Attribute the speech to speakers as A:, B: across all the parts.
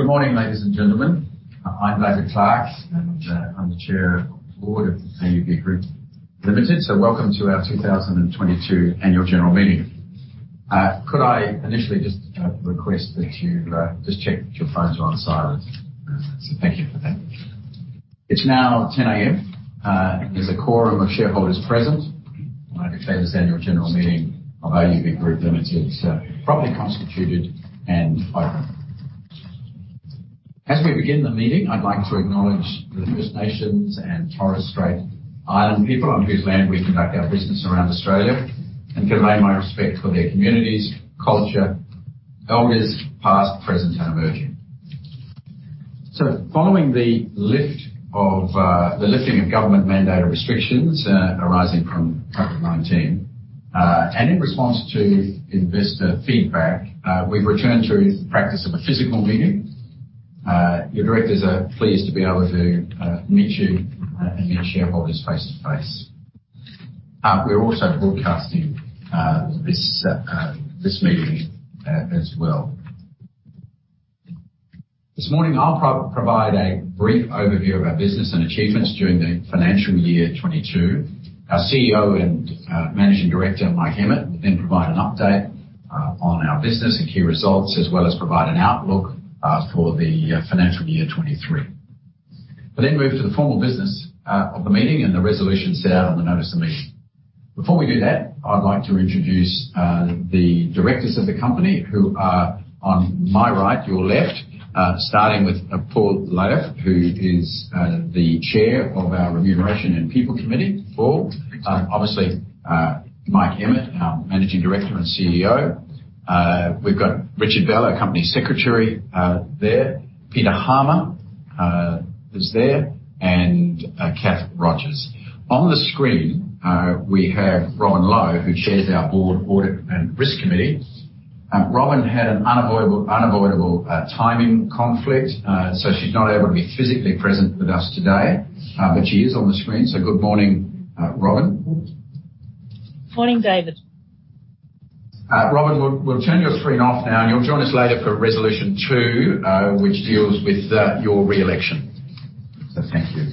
A: Good morning, ladies and gentlemen. I'm David Clarke, and I'm the Chair of the Board of AUB Group Limited, so welcome to our 2022 annual general meeting. Could I initially just request that you just check that your phones are on silent. Thank you for that. It's now 10:00 A.M. There's a quorum of shareholders present. I declare this annual general meeting of AUB Group Limited is properly constituted and open. As we begin the meeting, I'd like to acknowledge the First Nations and Torres Strait Islander people on whose land we conduct our business around Australia and convey my respect for their communities, culture, elders, past, present, and emerging. Following the lifting of government mandated restrictions arising from COVID-19 and in response to investor feedback, we've returned to the practice of a physical meeting. Your directors are pleased to be able to meet you and meet our shareholders face to face. We're also broadcasting this meeting as well. This morning I'll provide a brief overview of our business and achievements during the financial year 2022. Our CEO and Managing Director, Mike Emmett, will then provide an update on our business and key results, as well as provide an outlook for the financial year 2023. We'll then move to the formal business of the meeting and the resolutions set out on the notice of meeting. Before we do that, I'd like to introduce the directors of the company who are on my right, your left, starting with Paul Lahiff, who is the Chair of our People and Remuneration Committee. Paul.
B: Thanks, David.
A: Obviously, Mike Emmett, our Managing Director and CEO. We've got Richard Bell, our Company Secretary, there. Peter Harmer is there, and Cath Rogers. On the screen, we have Robin Low, who chairs our Board Audit and Risk Committee. Robin had an unavoidable timing conflict. So she's not able to be physically present with us today, but she is on the screen. Good morning, Robin.
C: Morning, David.
A: Robin, we'll turn your screen off now and you'll join us later for resolution two, which deals with your re-election. Thank you.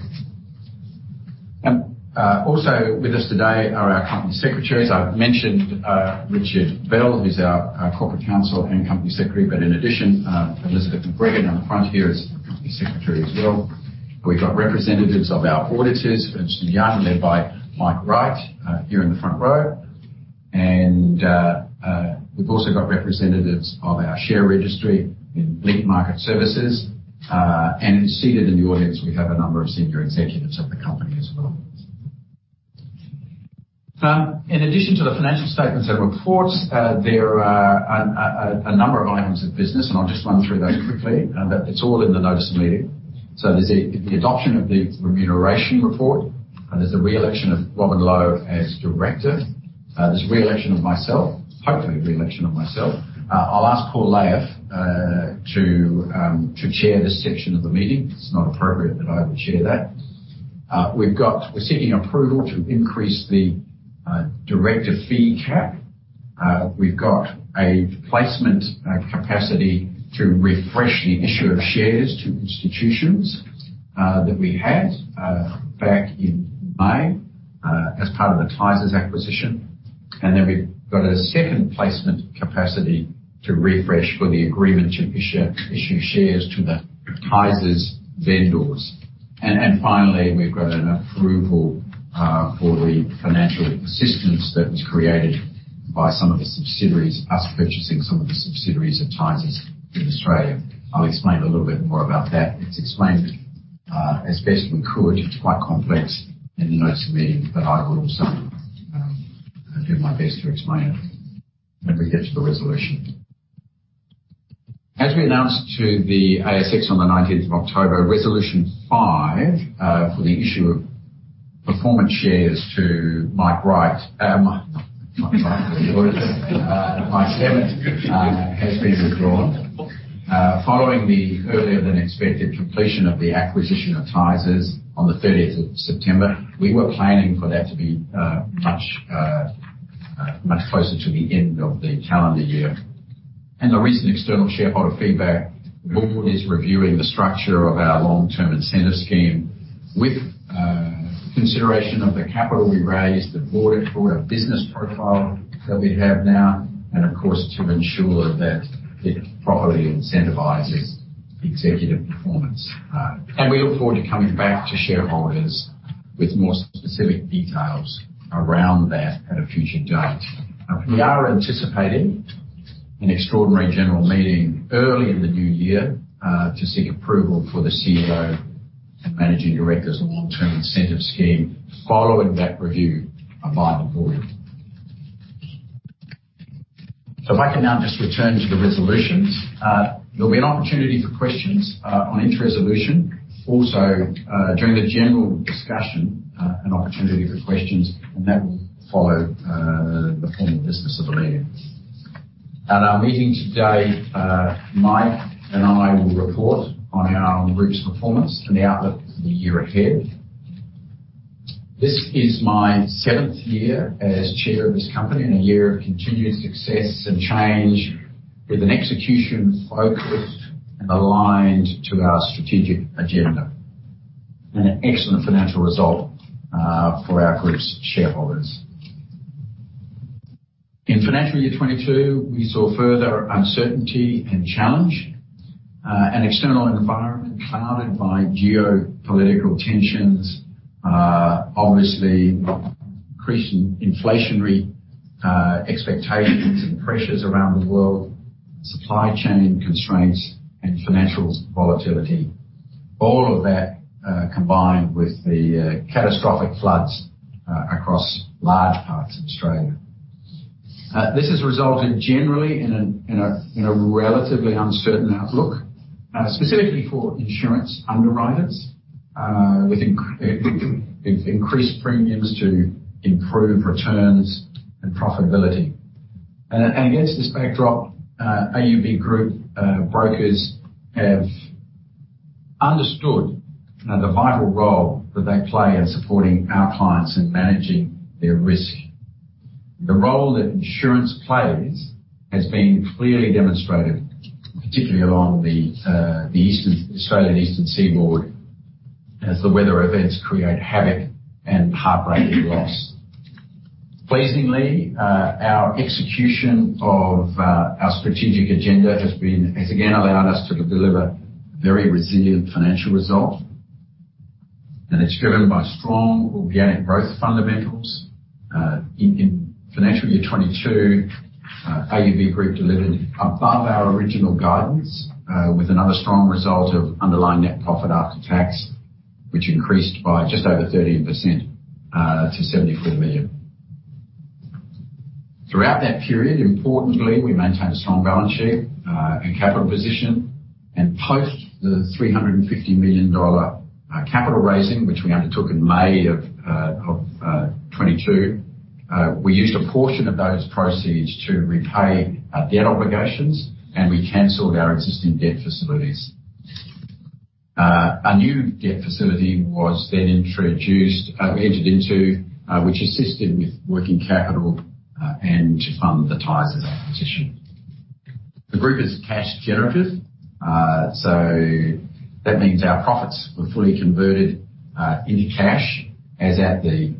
A: Also with us today are our Company Secretaries. I've mentioned Richard Bell, who's our Corporate Counsel and Company Secretary. In addition, Elizabeth McGregor in the front here is Company Secretary as well. We've got representatives of our auditors, Ernst & Young, led by Mike Wright here in the front row. We've also got representatives of our share registry in Link Market Services. Seated in the audience, we have a number of senior executives of the company as well. In addition to the financial statements and reports, there are a number of items of business and I'll just run through those quickly, and that it's all in the Notice of Meeting. There's the adoption of the remuneration report, and there's the re-election of Robin Low as director. There's re-election of myself, hopefully re-election of myself. I'll ask Paul Lahiff to chair this section of the meeting. It's not appropriate that I would chair that. We're seeking approval to increase the director fee cap. We've got a placement capacity to refresh the issue of shares to institutions that we had back in May as part of the Tysers acquisition. We've got a second placement capacity to refresh for the agreement to issue shares to the Tysers vendors. Finally, we've got an approval for the financial assistance that was created by some of the subsidiaries, us purchasing some of the subsidiaries of Tysers in Australia. I'll explain a little bit more about that. It's explained as best we could. It's quite complex in the notes meeting, but I will also do my best to explain it when we get to the resolution. As we announced to the ASX on the October 19, resolution five for the issue of performance shares to Mike Emmett has been withdrawn. Following the earlier than expected completion of the acquisition of Tysers on the September 30, we were planning for that to be much closer to the end of the calendar year. The recent external shareholder feedback board is reviewing the structure of our long-term incentive scheme with consideration of the capital we raised, the board, for our business profile that we have now, and of course, to ensure that it properly incentivizes executive performance. We look forward to coming back to shareholders with more specific details around that at a future date. We are anticipating an extraordinary general meeting early in the new year to seek approval for the CEO and Managing Director's long-term incentive scheme following that review by the board. If I can now just return to the resolutions. There'll be an opportunity for questions on each resolution. Also, during the general discussion, an opportunity for questions, and that will follow the formal business of the meeting. At our meeting today, Mike and I will report on our group's performance and the outlook for the year ahead. This is my seventh year as chair of this company, and a year of continued success and change with an execution focused and aligned to our strategic agenda, and an excellent financial result for our group's shareholders. In financial year 2022, we saw further uncertainty and challenge, an external environment clouded by geopolitical tensions, obviously increasing inflationary expectations and pressures around the world, supply chain constraints and financial volatility. All of that combined with the catastrophic floods across large parts of Australia. This has resulted generally in a relatively uncertain outlook, specifically for insurance underwriters, with increased premiums to improve returns and profitability. Against this backdrop, AUB Group brokers have understood the vital role that they play in supporting our clients in managing their risk. The role that insurance plays has been clearly demonstrated, particularly along the Australian eastern seaboard as the weather events create havoc and heartbreaking loss. Pleasingly, our execution of our strategic agenda has again allowed us to deliver very resilient financial result, and it's driven by strong organic growth fundamentals. In financial year 2022, AUB Group delivered above our original guidance, with another strong result of underlying net profit after tax, which increased by just over 13% to 73 million. Throughout that period, importantly, we maintained a strong balance sheet and capital position. Post the 350 million dollar capital raising, which we undertook in May of 2022, we used a portion of those proceeds to repay our debt obligations, and we canceled our existing debt facilities. A new debt facility was entered into, which assisted with working capital and to fund the Tysers acquisition. The group is cash generative. That means our profits were fully converted into cash as at the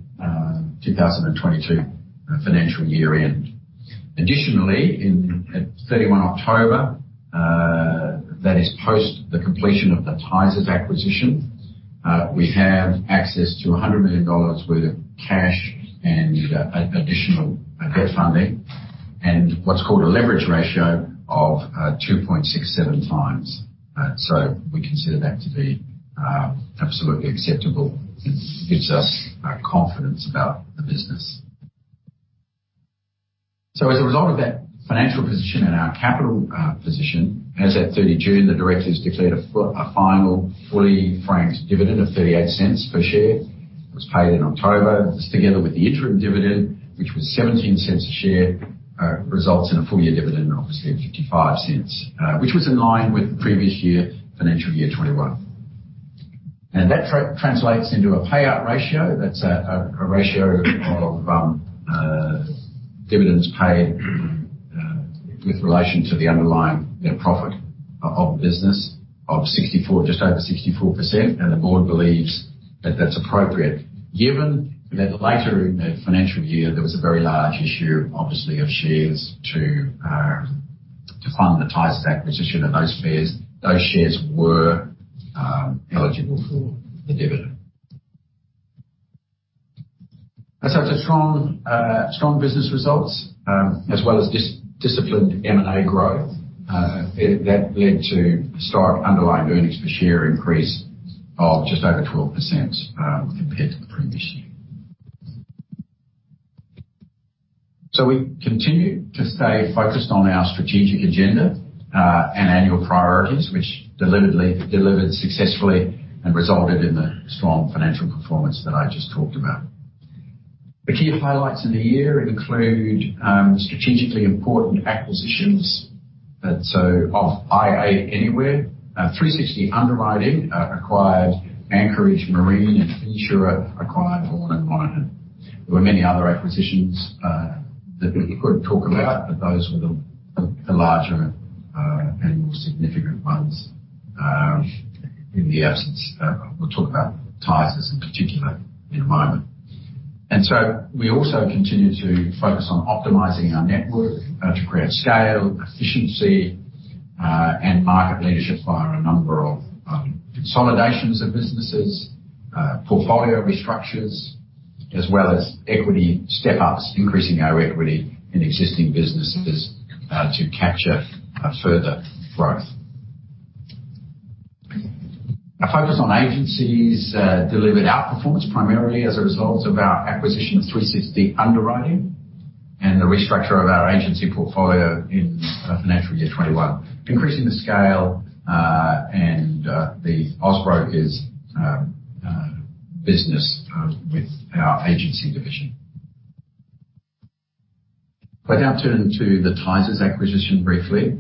A: 2022 financial year-end. Additionally, at October 31, that is post the completion of the Tysers acquisition, we have access to 100 million dollars worth of cash and additional debt funding and what's called a leverage ratio of 2.67 times. We consider that to be absolutely acceptable. It gives us confidence about the business. As a result of that financial position and our capital position, as at June 30, the directors declared a final fully franked dividend of 0.38 per share. It was paid in October. This, together with the interim dividend, which was 0.17 a share, results in a full year dividend of 0.55, which was in line with the previous year, financial year 2021. That translates into a payout ratio. That's a ratio of dividends paid with relation to the underlying net profit of business of 64%, just over 64%. The board believes that that's appropriate given that later in the financial year there was a very large issue obviously of shares to fund the Tysers acquisition. At those shares, those shares were eligible for the dividend. Strong business results, as well as disciplined M&A growth, that led to a stark underlying earnings per share increase of just over 12%, compared to the previous year. We continued to stay focused on our strategic agenda and annual priorities, which deliberately delivered successfully and resulted in the strong financial performance that I just talked about. The key highlights in the year include strategically important acquisitions. That is of iaAnyware, 360 Underwriting, acquired Anchorage Marine, and Futura acquired Laurens. There were many other acquisitions that we couldn't talk about, but those were the larger and more significant ones in the absence. We'll talk about Tysers in particular in a moment. We also continued to focus on optimizing our network to create scale, efficiency, and market leadership via a number of consolidations of businesses, portfolio restructures, as well as equity step-ups, increasing our equity in existing businesses to capture further growth. Our focus on agencies delivered outperformance primarily as a result of our acquisition of 360 Underwriting and the restructure of our agency portfolio in financial year 2021, increasing the scale and the Austbrokers business with our agency division. I'll now turn to the Tysers acquisition briefly.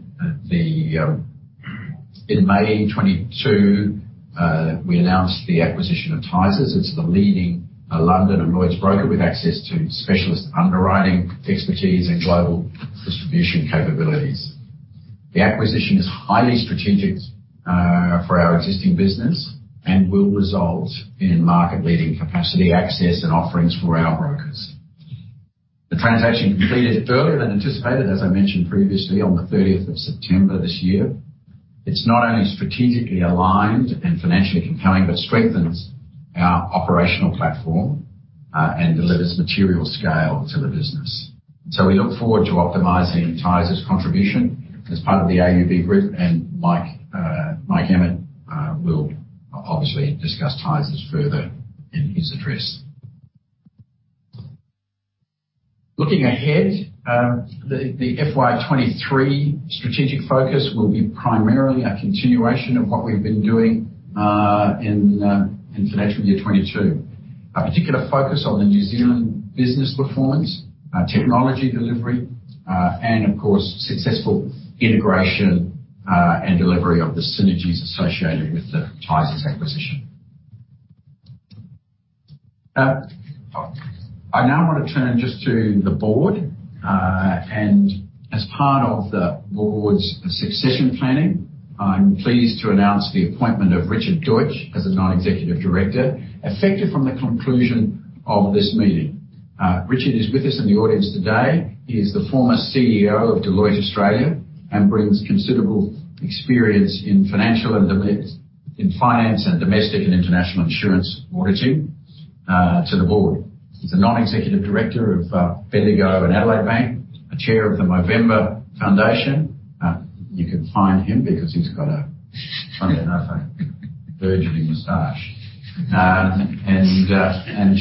A: In May 2022, we announced the acquisition of Tysers. It's the leading London and Lloyd's broker with access to specialist underwriting expertise and global distribution capabilities. The acquisition is highly strategic for our existing business and will result in market-leading capacity, access and offerings for our brokers. The transaction completed earlier than anticipated, as I mentioned previously, on the September 30, this year. It's not only strategically aligned and financially compelling, but strengthens our operational platform and delivers material scale to the business. We look forward to optimizing Tysers' contribution as part of the AUB Group. Mike Emmett will obviously discuss Tysers further in his address. Looking ahead, the FY 2023 strategic focus will be primarily a continuation of what we've been doing in financial year 2022. A particular focus on the New Zealand business performance, technology delivery and of course, successful integration and delivery of the synergies associated with the Tysers acquisition. I now wanna turn just to the board. As part of the board's succession planning, I'm pleased to announce the appointment of Richard Deutsch as a Non-Executive Director, effective from the conclusion of this meeting. Richard is with us in the audience today. He is the former CEO of Deloitte Australia and brings considerable experience in finance and domestic and international insurance origination to the board. He's a non-executive director of Bendigo and Adelaide Bank, a chair of the Movember Foundation. You can find him because he's got funnily enough, a burgeoning mustache, and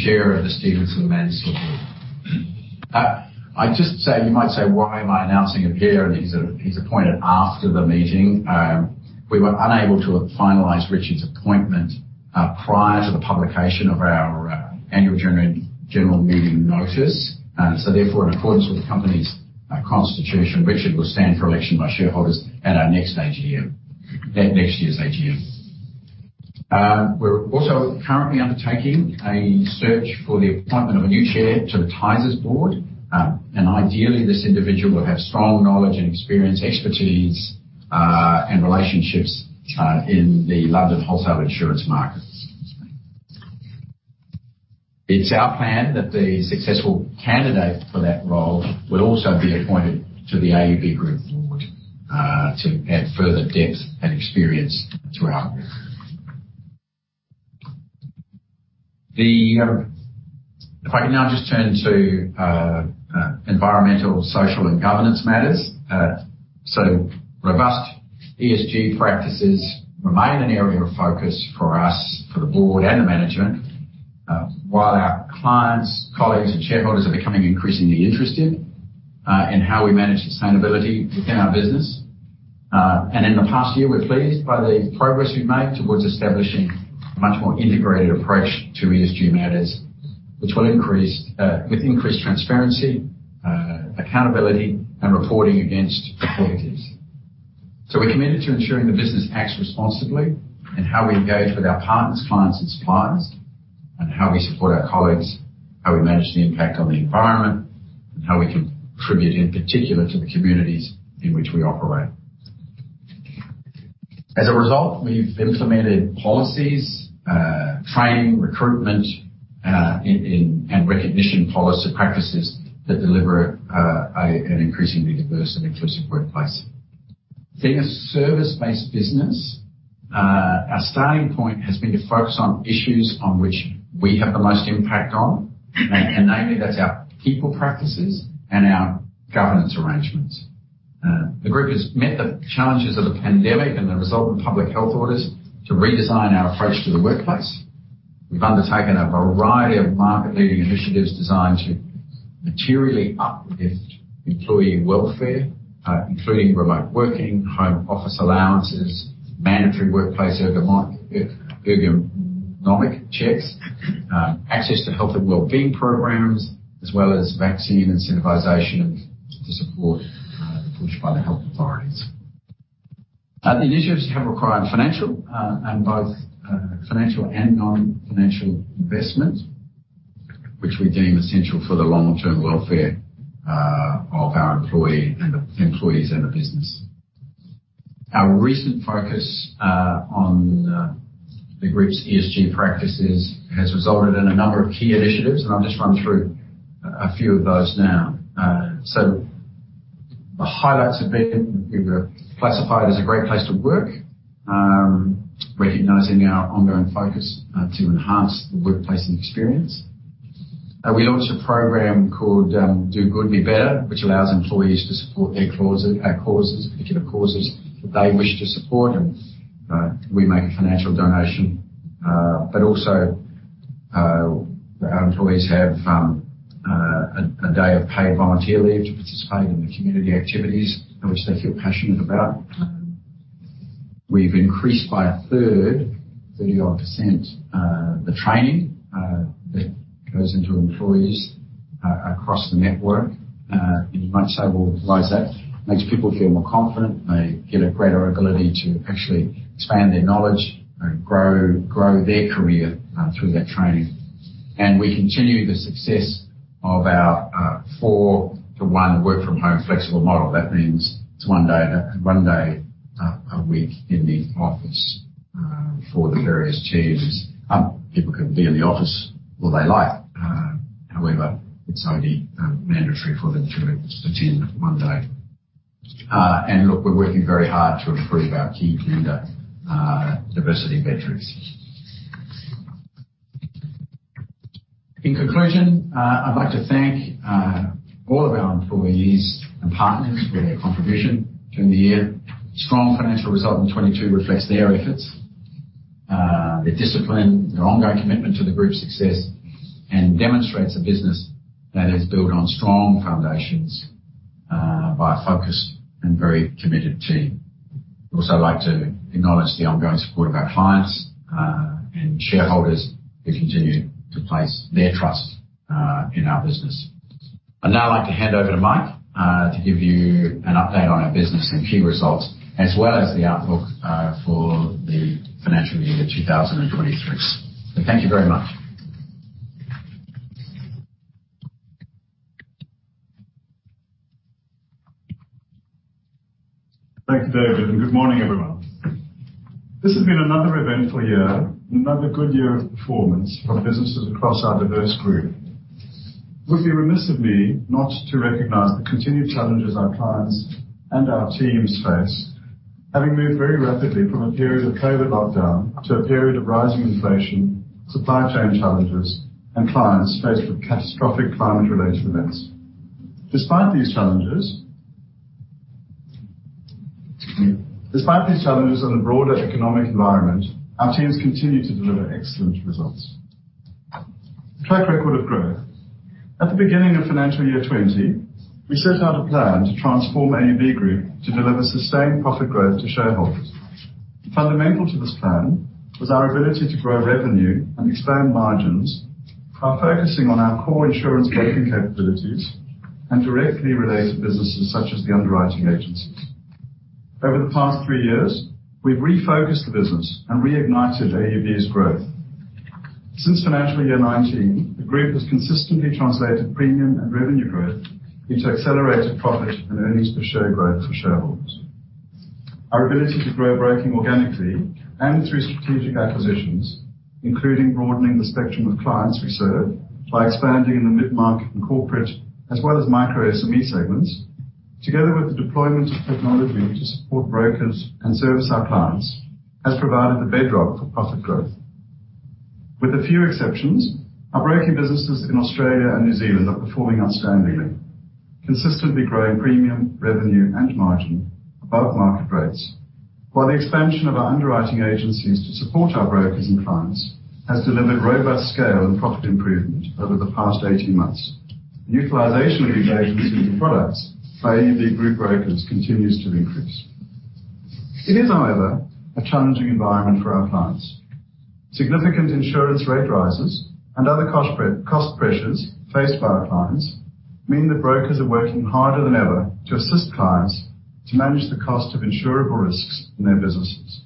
A: chair of the Stephenson Mansell Group. You might say, "Why am I announcing him here and he's appointed after the meeting?" We were unable to finalize Richard's appointment prior to the publication of our annual general meeting notice. So therefore, in accordance with the company's constitution, Richard will stand for election by shareholders at our next AGM. At next year's AGM. We're also currently undertaking a search for the appointment of a new chair to the Tysers board. Ideally, this individual will have strong knowledge and experience, expertise, and relationships in the London wholesale insurance markets. It's our plan that the successful candidate for that role will also be appointed to the AUB Group board to add further depth and experience to our group. If I can now just turn to environmental, social, and governance matters. Robust ESG practices remain an area of focus for us, for the board and the management, while our clients, colleagues, and shareholders are becoming increasingly interested in how we manage sustainability within our business. In the past year, we're pleased by the progress we've made towards establishing a much more integrated approach to ESG matters, which will increase with increased transparency, accountability, and reporting against the priorities. We're committed to ensuring the business acts responsibly in how we engage with our partners, clients, and suppliers, and how we support our colleagues, how we manage the impact on the environment, and how we contribute, in particular to the communities in which we operate. As a result, we've implemented policies, training, recruitment, inclusion, and recognition policy practices that deliver an increasingly diverse and inclusive workplace. Being a service-based business, our starting point has been to focus on issues on which we have the most impact on, and namely, that's our people practices and our governance arrangements. The group has met the challenges of the pandemic in response to public health orders to redesign our approach to the workplace. We've undertaken a variety of market-leading initiatives designed to materially uplift employee welfare, including remote working, home office allowances, mandatory workplace ergonomic checks, access to health and well-being programs, as well as vaccine incentivization to support the push by the health authorities. The initiatives have required financial and non-financial investments, which we deem essential for the long-term welfare of our employees and the business. Our recent focus on the group's ESG practices has resulted in a number of key initiatives, and I'll just run through a few of those now. The highlights have been, we were classified as a Great Place to Work, recognizing our ongoing focus to enhance the workplace experience. We launched a program called Do Good, Be Better, which allows employees to support their particular causes that they wish to support, and we make a financial donation. Our employees have a day of paid volunteer leave to participate in the community activities in which they feel passionate about. We've increased by a third, 30-odd%, the training that goes into employees across the network. You might say we'll raise that. Makes people feel more confident. They get a greater ability to actually expand their knowledge and grow their career through that training. We continue the success of our four-to-one work from home flexible model. That means it's one day a week in the office for the various teams. People can be in the office all they like. However, it's only mandatory for them to attend one day. We're working very hard to improve our key gender diversity metrics. In conclusion, I'd like to thank all of our employees and partners for their contribution during the year. Strong financial result in 2022 reflects their efforts, their discipline, their ongoing commitment to the group's success, and demonstrates a business that is built on strong foundations, by a focused and very committed team. We'd also like to acknowledge the ongoing support of our clients, and shareholders who continue to place their trust, in our business. I'd now like to hand over to Mike, to give you an update on our business and key results as well as the outlook, for the financial year 2023. Thank you very much.
D: Thank you, David. Good morning, everyone. This has been another eventful year and another good year of performance from businesses across our diverse group. It would be remiss of me not to recognize the continued challenges our clients and our teams face, having moved very rapidly from a period of COVID lockdown to a period of rising inflation, supply chain challenges, and clients faced with catastrophic climate-related events. Despite these challenges on the broader economic environment, our teams continue to deliver excellent results. Track record of growth. At the beginning of financial year 2020, we set out a plan to transform AUB Group to deliver sustained profit growth to shareholders. Fundamental to this plan was our ability to grow revenue and expand margins by focusing on our core insurance broking capabilities and directly related businesses such as the underwriting agencies. Over the past three years, we've refocused the business and reignited AUB's growth. Since financial year 2019, the group has consistently translated premium and revenue growth into accelerated profit and earnings per share growth for shareholders. Our ability to grow broking organically and through strategic acquisitions, including broadening the spectrum of clients we serve by expanding in the mid-market and corporate, as well as micro SME segments, together with the deployment of technology to support brokers and service our clients, has provided the bedrock for profit growth. With a few exceptions, our broking businesses in Australia and New Zealand are performing outstandingly, consistently growing premium revenue and margin above market rates. While the expansion of our underwriting agencies to support our brokers and clients has delivered robust scale and profit improvement over the past 18 months, utilization of these agencies and products by AUB Group brokers continues to increase. It is, however, a challenging environment for our clients. Significant insurance rate rises and other cost pressures faced by our clients mean that brokers are working harder than ever to assist clients to manage the cost of insurable risks in their businesses.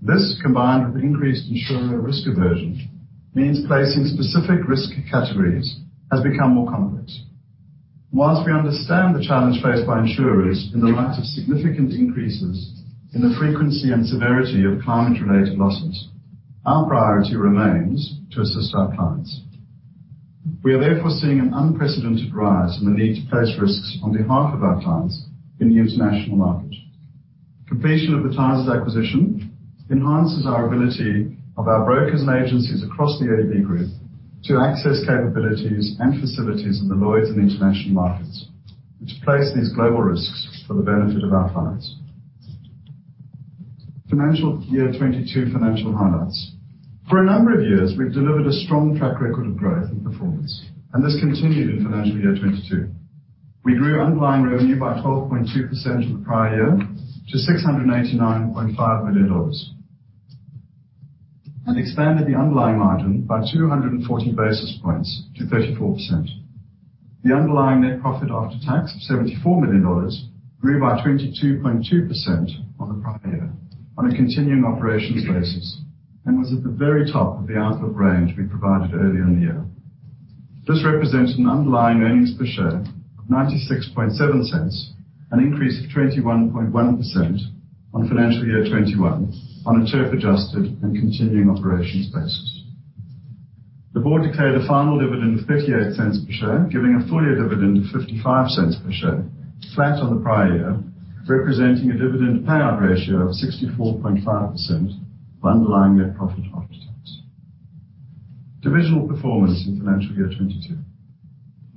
D: This, combined with increased insurer risk aversion, means placing specific risk categories has become more complex. While we understand the challenge faced by insurers in the light of significant increases in the frequency and severity of climate-related losses, our priority remains to assist our clients. We are therefore seeing an unprecedented rise in the need to place risks on behalf of our clients in the international market. Completion of the Tysers acquisition enhances our ability of our brokers and agencies across the AUB Group to access capabilities and facilities of Lloyd's in the international markets, which place these global risks for the benefit of our clients. Financial year 2022 financial highlights. For a number of years, we've delivered a strong track record of growth and performance, and this continued in financial year 2022. We grew underlying revenue by 12.2% on the prior year to AUD 689.5 million. Expanded the underlying margin by 240 basis points to 34%. The underlying net profit after tax of AUD 74 million grew by 22.2% on the prior year on a continuing operations basis and was at the very top of the outlook range we provided earlier in the year. This represents an underlying earnings per share of 0.967, an increase of 21.1% on financial year 2021 on a true adjusted and continuing operations basis. The board declared a final dividend of 0.58 per share, giving a full year dividend of 0.55 per share, flat on the prior year, representing a dividend payout ratio of 64.5% on underlying net profit after tax. Divisional performance in financial year 2022.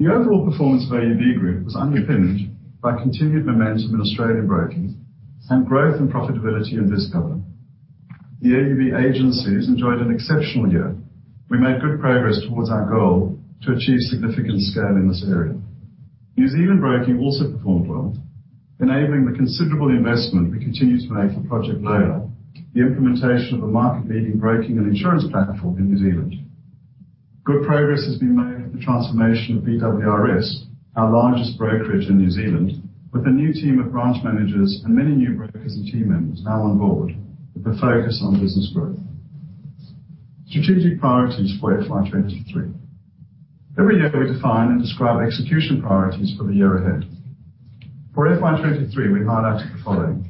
D: The overall performance of AUB Group was underpinned by continued momentum in Australian broking and growth and profitability in BizCover. The AUB agencies enjoyed an exceptional year. We made good progress towards our goal to achieve significant scale in this area. New Zealand broking also performed well, enabling the considerable investment we continue to make for Project Lola, the implementation of a market-leading broking and insurance platform in New Zealand. Good progress has been made with the transformation of BWRS, our largest brokerage in New Zealand, with a new team of branch managers and many new brokers and team members now on board, with a focus on business growth. Strategic priorities for FY 2023. Every year, we define and describe execution priorities for the year ahead. For FY 2023, we highlight the following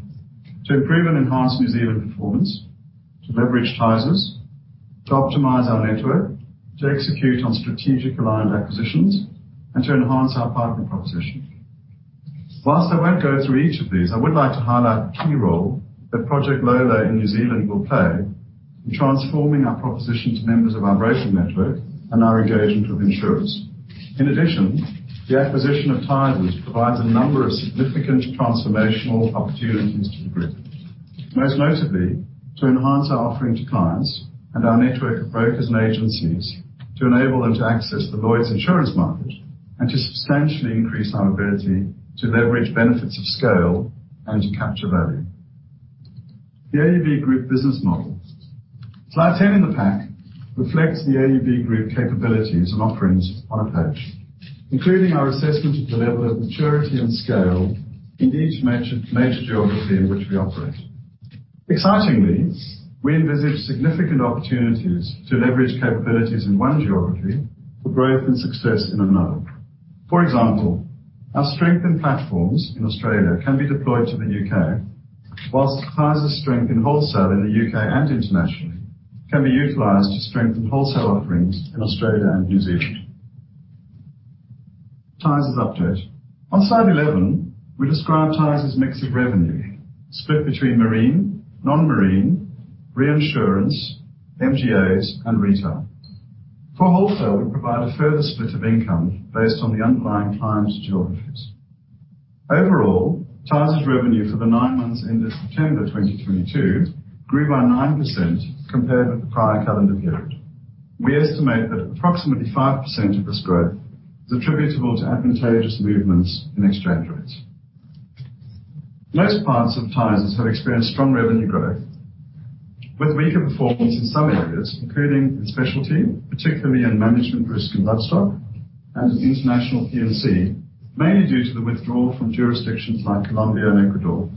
D: to improve and enhance New Zealand performance, to leverage Tysers, to optimize our network, to execute on strategic aligned acquisitions, and to enhance our partner proposition. Whilst I won't go through each of these, I would like to highlight the key role that Project Lola in New Zealand will play in transforming our proposition to members of our broking network and our engagement with insurers. In addition, the acquisition of Tysers provides a number of significant transformational opportunities to the group. Most notably, to enhance our offering to clients and our network of brokers and agencies to enable them to access the Lloyd's insurance market and to substantially increase our ability to leverage benefits of scale and to capture value. The AUB Group business model. Slide 10 in the pack reflects the AUB Group capabilities and offerings on a page, including our assessment of the level of maturity and scale in each major geography in which we operate. Excitingly, we envisage significant opportunities to leverage capabilities in one geography for growth and success in another. For example, our strength in platforms in Australia can be deployed to the U.K., while Tysers' strength in wholesale in the U.K. and internationally can be utilized to strengthen wholesale offerings in Australia and New Zealand. Tysers update. On slide 11, we describe Tysers' mix of revenue split between marine, non-marine, reinsurance, MGAs, and retail. For wholesale, we provide a further split of income based on the underlying clients' geographies. Overall, Tysers revenue for the nine months ended September 2022 grew by 9% compared with the prior calendar period. We estimate that approximately 5% of this growth is attributable to advantageous movements in exchange rates. Most parts of Tysers have experienced strong revenue growth with weaker performance in some areas, including in specialty, particularly in management risk and livestock, and international P&C, mainly due to the withdrawal from jurisdictions like Colombia and Ecuador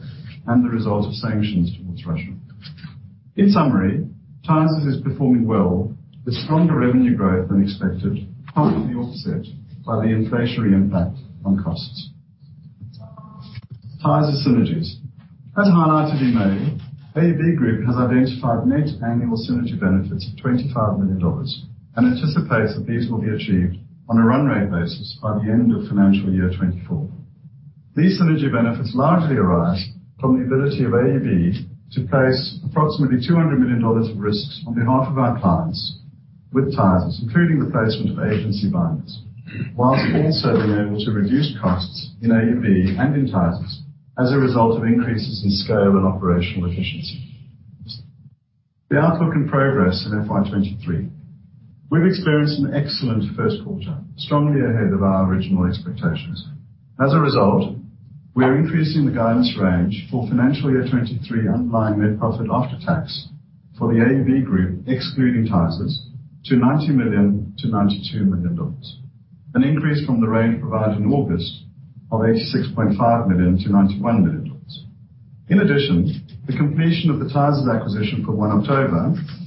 D: and the result of sanctions towards Russia. In summary, Tysers is performing well with stronger revenue growth than expected, partly offset by the inflationary impact on costs. Tysers synergies. As highlighted in May, AUB Group has identified net annual synergy benefits of 25 million dollars and anticipates that these will be achieved on a run rate basis by the end of financial year 2024. These synergy benefits largely arise from the ability of AUB to place approximately 200 million dollars of risks on behalf of our clients with Tysers, including the placement of agency binders, whilst also being able to reduce costs in AUB and in Tysers as a result of increases in scale and operational efficiency. The outlook and progress in FY 2023. We've experienced an excellent first quarter, strongly ahead of our original expectations. As a result, we are increasing the guidance range for FY 2023 underlying net profit after tax for the AUB Group, excluding Tysers, to 90 million-92 million dollars, an increase from the range provided in August of 86.5 million-91 million dollars. In addition, the completion of the Tysers acquisition on October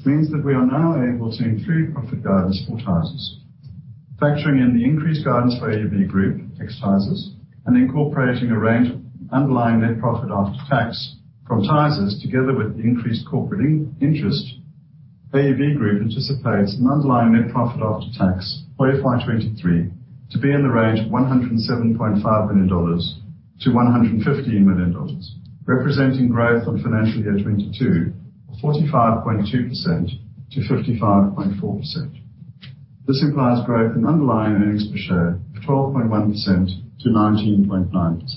D: 1, means that we are now able to include profit guidance for Tysers. Factoring in the increased guidance for AUB Group ex Tysers and incorporating a range of underlying net profit after tax from Tysers together with the increased corporate and interest, AUB Group anticipates an underlying net profit after tax for FY 2023 to be in the range of 107.5 million-115 million dollars, representing growth on FY 2022 of 45.2%-55.4%. This implies growth in underlying earnings per share of 12.1%-19.9%.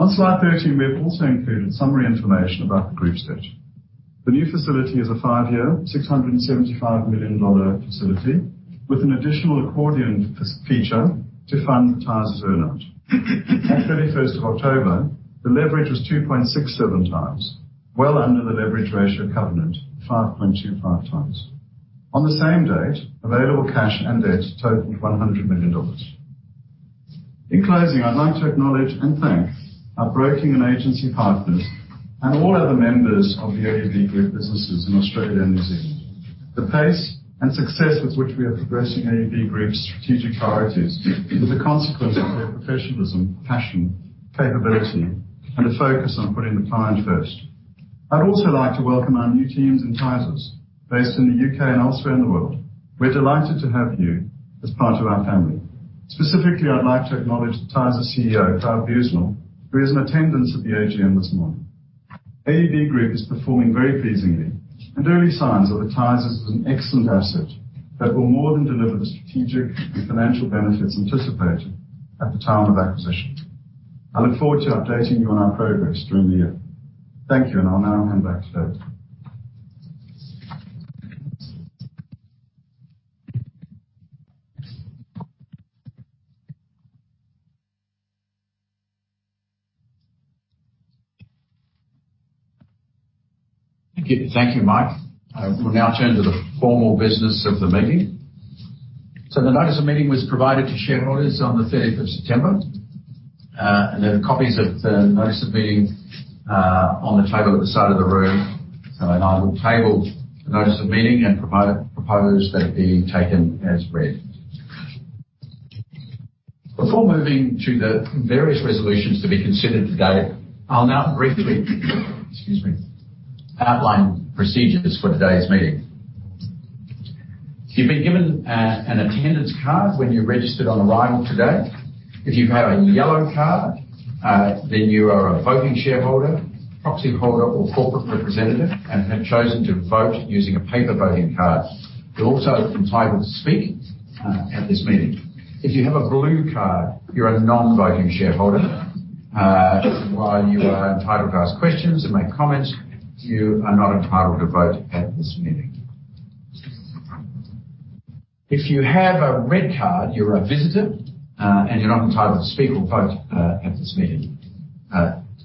D: On slide 13, we have also included summary information about the group's debt. The new facility is a five-year, 675 million dollar facility with an additional accordion feature to fund the Tysers earn out. At 31 October, the leverage was 2.67 times, well under the leverage ratio covenant, 5.25 times. On the same date, available cash and debt totaled 100 million dollars. In closing, I'd like to acknowledge and thank our broking and agency partners and all other members of the AUB Group businesses in Australia and New Zealand. The pace and success with which we are progressing AUB Group's strategic priorities is a consequence of their professionalism, passion, capability, and a focus on putting the client first. I'd also like to welcome our new teams in Tysers based in the U.K. and elsewhere in the world. We're delighted to have you as part of our family. Specifically, I'd like to acknowledge Tysers CEO, Clive Buesnel, who is in attendance at the AGM this morning. AUB Group is performing very pleasingly, and there are signs that Tysers is an excellent asset that will more than deliver the strategic and financial benefits anticipated at the time of acquisition. I look forward to updating you on our progress during the year. Thank you, and I'll now hand back to David.
A: Thank you. Thank you, Mike. We'll now turn to the formal business of the meeting. The notice of meeting was provided to shareholders on the September 30. There are copies of the notice of meeting on the table at the side of the room. I now will table the notice of meeting and propose that it be taken as read. Before moving to the various resolutions to be considered today, I'll now briefly outline procedures for today's meeting. You've been given an attendance card when you registered on arrival today. If you have a yellow card, then you are a voting shareholder, proxyholder or corporate representative and have chosen to vote using a paper voting card. You're also entitled to speak at this meeting. If you have a blue card, you're a non-voting shareholder. While you are entitled to ask questions and make comments, you are not entitled to vote at this meeting. If you have a red card, you're a visitor, and you're not entitled to speak or vote at this meeting.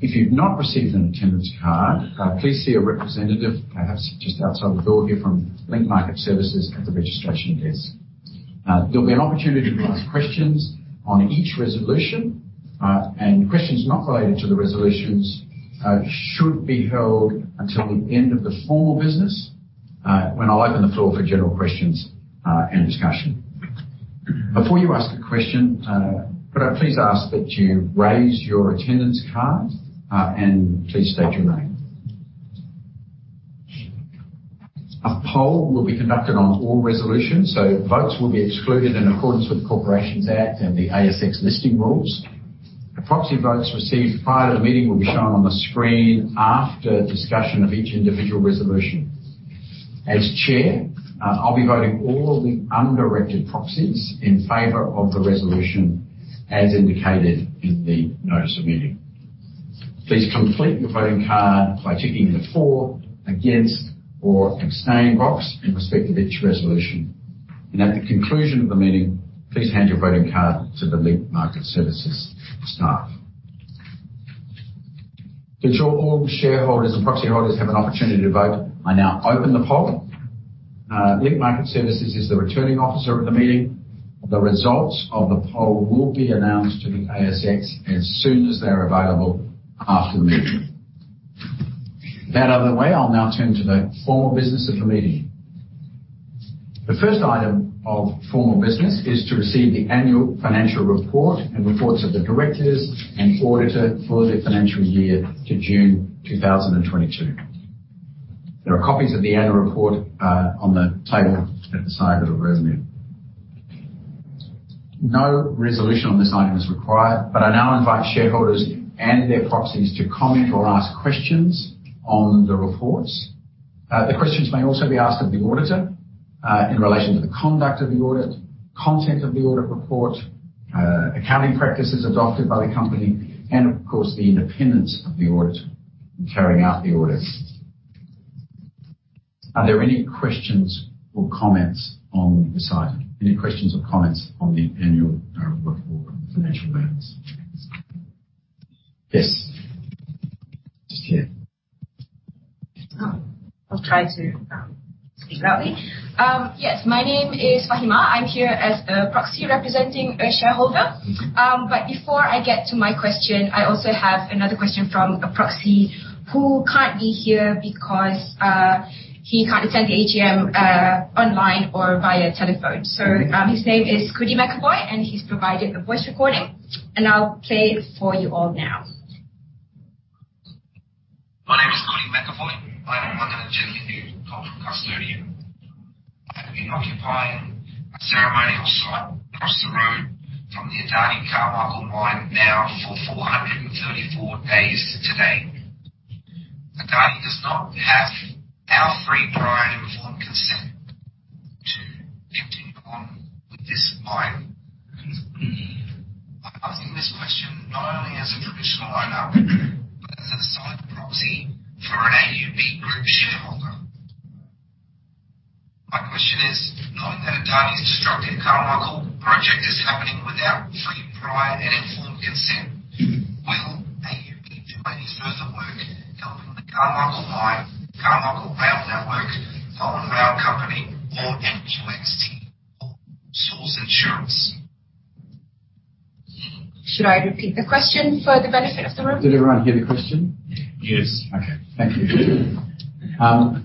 A: If you've not received an attendance card, please see a representative, perhaps just outside the door here from Link Market Services at the registration desk. There'll be an opportunity to ask questions on each resolution, and questions not related to the resolutions should be held until the end of the formal business, when I'll open the floor for general questions and discussion. Before you ask a question, could I please ask that you raise your attendance card, and please state your name. A poll will be conducted on all resolutions, so votes will be excluded in accordance with the Corporations Act and the ASX Listing Rules. Proxy votes received prior to the meeting will be shown on the screen after discussion of each individual resolution. As chair, I'll be voting all of the undirected proxies in favor of the resolution as indicated in the notice of meeting. Please complete your voting card by ticking the for, against, or abstain box in respect of each resolution. At the conclusion of the meeting, please hand your voting card to the Link Market Services staff. To ensure all shareholders and proxyholders have an opportunity to vote, I now open the poll. Link Market Services is the returning officer of the meeting. The results of the poll will be announced to the ASX as soon as they're available after the meeting. That out of the way, I'll now turn to the formal business of the meeting. The first item of formal business is to receive the annual financial report and reports of the directors and auditor for the financial year to June 2022. There are copies of the annual report on the table at the side of the room here. No resolution on this item is required, but I now invite shareholders and their proxies to comment or ask questions on the reports. The questions may also be asked of the auditor in relation to the conduct of the audit, content of the audit report, accounting practices adopted by the company and of course, the independence of the auditor in carrying out the audit. Are there any questions or comments on this item? Any questions or comments on the annual report for financial matters? Yes. Just here.
E: I'll try to speak loudly. Yes. My name is Fahima. I'm here as a proxy representing a shareholder. Before I get to my question, I also have another question from a proxy who can't be here because he can't attend the AGM online or via telephone.
A: Mm-hmm.
E: His name is Coedie McAvoy, and he's provided a voice recording, and I'll play it for you all now.
F: My name is Coedie McAvoy. I am Wangan and Jagalingou cultural custodian. I have been occupying a ceremonial site across the road from the Adani Carmichael mine now for 434 days today. Adani does not have our free, prior, and informed consent to continue on with this mine. I'm asking this question not only as a traditional owner, but as an assigned proxy for an AUB Group shareholder. My question is, knowing that Adani's destructive Carmichael project is happening without free, prior, and informed consent, will AUB do any further work helping the Carmichael mine, Carmichael Rail Network, Bowen Rail Company or NQXT or source insurance?
E: Should I repeat the question for the benefit of the room?
A: Did everyone hear the question?
D: Yes.
A: Okay. Thank you.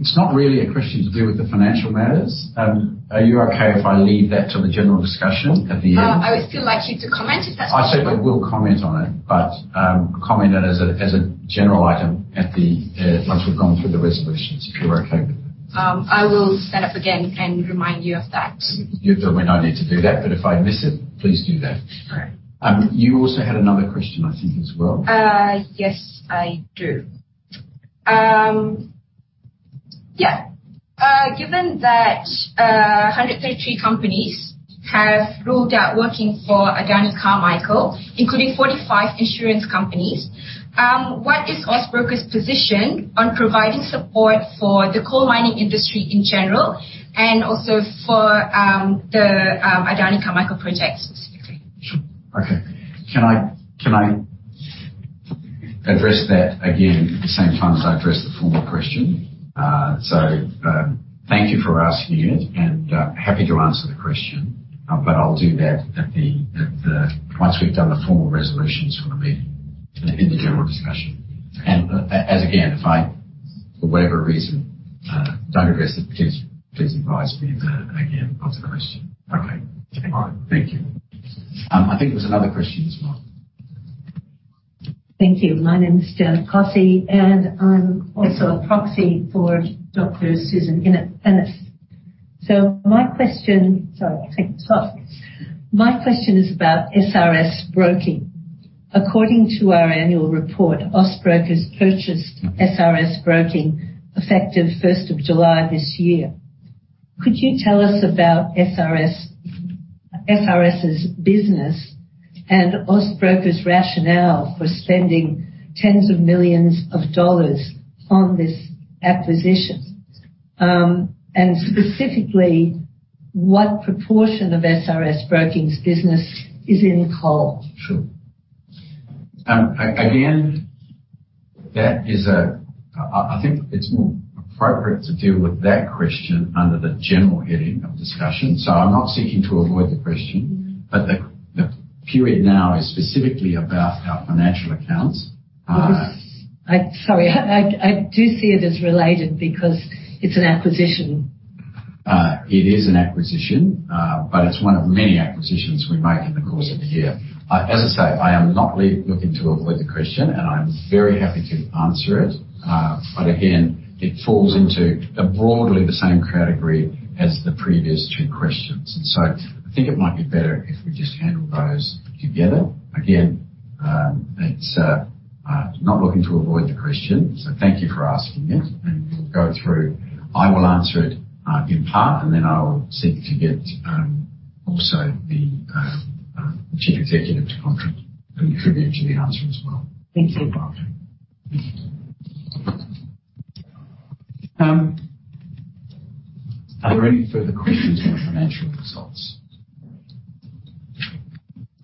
A: It's not really a question to do with the financial matters. Are you okay if I leave that to the general discussion at the end?
E: I would still like you to comment, if that's possible.
A: I said I will comment on it, but comment it as a general item once we've gone through the resolutions, if you are okay with that.
E: I will stand up again and remind you of that.
A: You've no need to do that, but if I miss it, please do that.
E: All right.
A: You also had another question, I think as well.
E: Yes, I do. Given that 130 companies have ruled out working for Adani Carmichael, including 45 insurance companies, what is Austbrokers's position on providing support for the coal mining industry in general, and also for the Adani Carmichael project specifically?
A: Sure. Okay. Can I address that again at the same time as I address the formal question? Thank you for asking it and happy to answer the question. I'll do that at the once we've done the formal resolutions for the meeting in the general discussion. As again, if I for whatever reason don't address it, please advise me, and again, I'll answer the question. Okay.
E: Thank you.
A: All right. Thank you. I think there was another question as well.
G: Thank you. My name is Janet Cossey, and I'm also a proxy for Dr. Susan Innes. My question is about SRS Broking. According to our annual report, Austbrokers purchased SRS Broking effective first of July this year. Could you tell us about SRS's business and Austbrokers' rationale for spending tens of millions of AUD on this acquisition? And specifically, what proportion of SRS Broking's business is in coal?
A: Sure. Again, that is, I think it's more appropriate to deal with that question under the general heading of discussion. I'm not seeking to avoid the question.
G: Mm-hmm.
A: The period now is specifically about our financial accounts.
G: I'm sorry. I do see it as related because it's an acquisition.
A: It is an acquisition, but it's one of many acquisitions we make in the course of the year. As I say, I am not really looking to avoid the question, and I'm very happy to answer it. Again, it falls into broadly the same category as the previous two questions. I think it might be better if we just handle those together. Again, it's not looking to avoid the question, so thank you for asking it, and we'll go through. I will answer it in part, and then I'll seek to get also the chief executive to contribute to the answer as well.
G: Thank you.
A: No problem. Are there any further questions on financial results?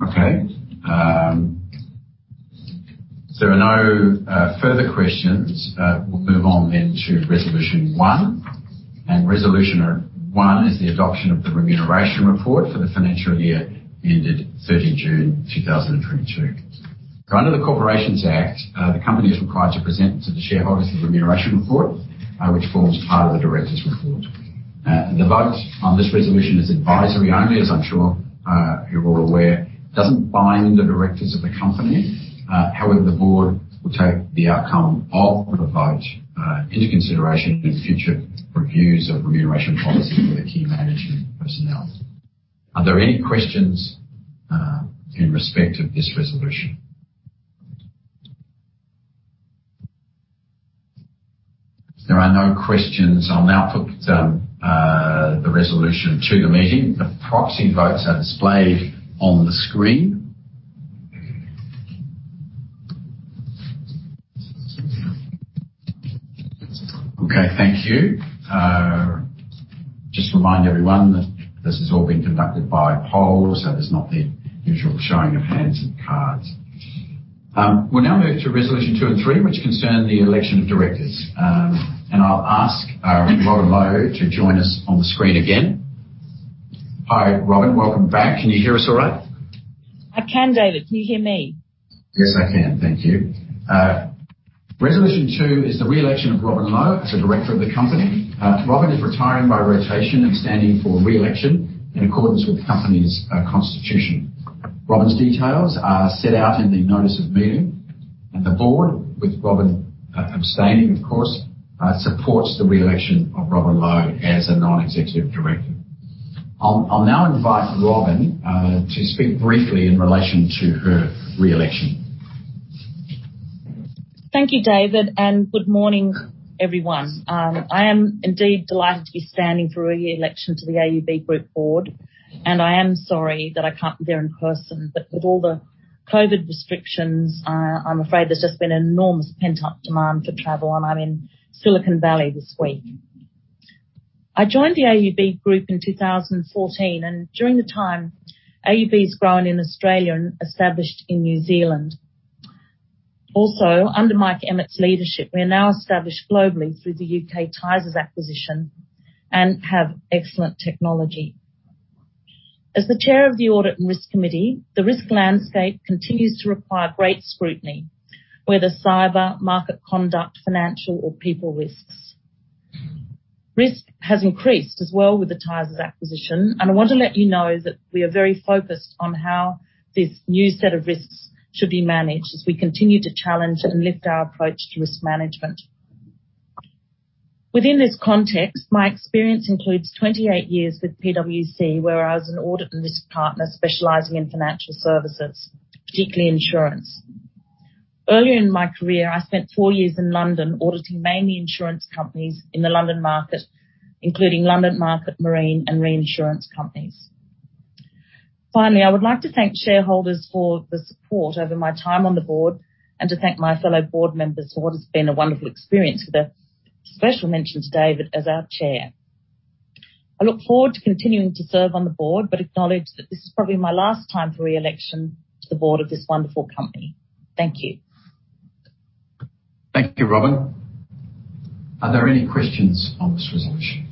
A: Okay. If there are no further questions, we'll move on then to resolution one. Resolution one is the adoption of the remuneration report for the financial year ended June 30, 2022. Under the Corporations Act, the company is required to present to the shareholders the remuneration report, which forms part of the directors' report. The vote on this resolution is advisory only, as I'm sure you're all aware. Doesn't bind the directors of the company. However, the board will take the outcome of the vote into consideration in future reviews of remuneration policy for the key management personnel. Are there any questions in respect of this resolution? If there are no questions, I'll now put the resolution to the meeting. The proxy votes are displayed on the screen. Okay, thank you. Just remind everyone that this has all been conducted by poll, so there's not the usual showing of hands and cards. We'll now move to resolution two and three, which concern the election of directors. I'll ask Robin Low to join us on the screen again. Hi, Robin. Welcome back. Can you hear us all right?
C: I can, David. Can you hear me?
A: Yes, I can. Thank you. Resolution two is the reelection of Robin Low as a director of the company. Robin is retiring by rotation and standing for reelection in accordance with the company's constitution. Robin's details are set out in the notice of meeting, and the board, with Robin abstaining of course, supports the reelection of Robin Low as a non-executive director. I'll now invite Robin to speak briefly in relation to her reelection.
C: Thank you, David, and good morning, everyone. I am indeed delighted to be standing for reelection to the AUB Group board, and I am sorry that I can't be there in person, but with all the COVID-19 restrictions, I'm afraid there's just been enormous pent-up demand for travel, and I'm in Silicon Valley this week. I joined the AUB Group in 2014, and during the time, AUB has grown in Australia and established in New Zealand. Also, under Mike Emmett's leadership, we are now established globally through the U.K. Tysers acquisition and have excellent technology. As the chair of the Audit and Risk Committee, the risk landscape continues to require great scrutiny, whether cyber, market conduct, financial or people risks. Risk has increased as well with the Tysers acquisition, and I want to let you know that we are very focused on how this new set of risks should be managed as we continue to challenge and lift our approach to risk management. Within this context, my experience includes 28 years with PwC, where I was an audit and risk partner specializing in financial services, particularly insurance. Earlier in my career, I spent four years in London auditing mainly insurance companies in the London market, including London market marine and reinsurance companies. Finally, I would like to thank shareholders for the support over my time on the board and to thank my fellow board members for what has been a wonderful experience. With a special mention to David as our chair. I look forward to continuing to serve on the board, but acknowledge that this is probably my last time for re-election to the board of this wonderful company. Thank you.
A: Thank you, Robin. Are there any questions on this resolution?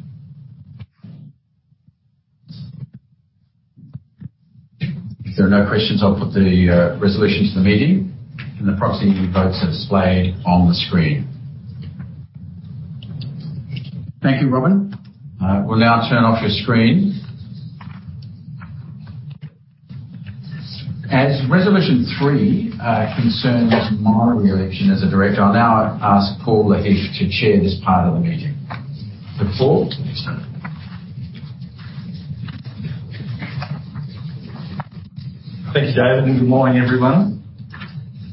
A: If there are no questions, I'll put the resolution to the meeting, and the proxy votes are displayed on the screen. Thank you, Robin. We'll now turn off your screen. As Resolution three concerns my re-election as a director, I'll now ask Paul Lahiff to chair this part of the meeting. Paul.
B: Thank you, David, and good morning, everyone.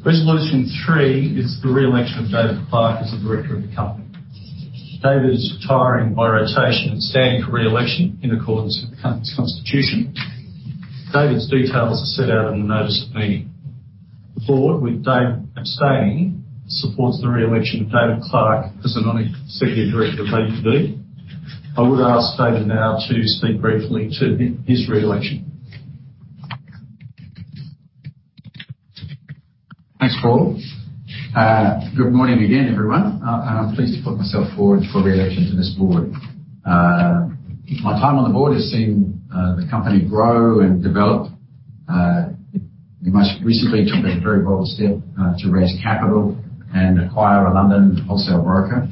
B: Resolution three is the re-election of David Clarke as a director of the company. David is retiring by rotation and standing for re-election in accordance with the company's constitution. David's details are set out in the notice of meeting. The board, with Dave abstaining, supports the re-election of David Clarke as a non-executive director of AUB. I would ask David now to speak briefly to his re-election.
A: Thanks, Paul. Good morning again, everyone. I'm pleased to put myself forward for re-election to this board. My time on the board has seen the company grow and develop. We most recently took a very bold step to raise capital and acquire a London wholesale broker.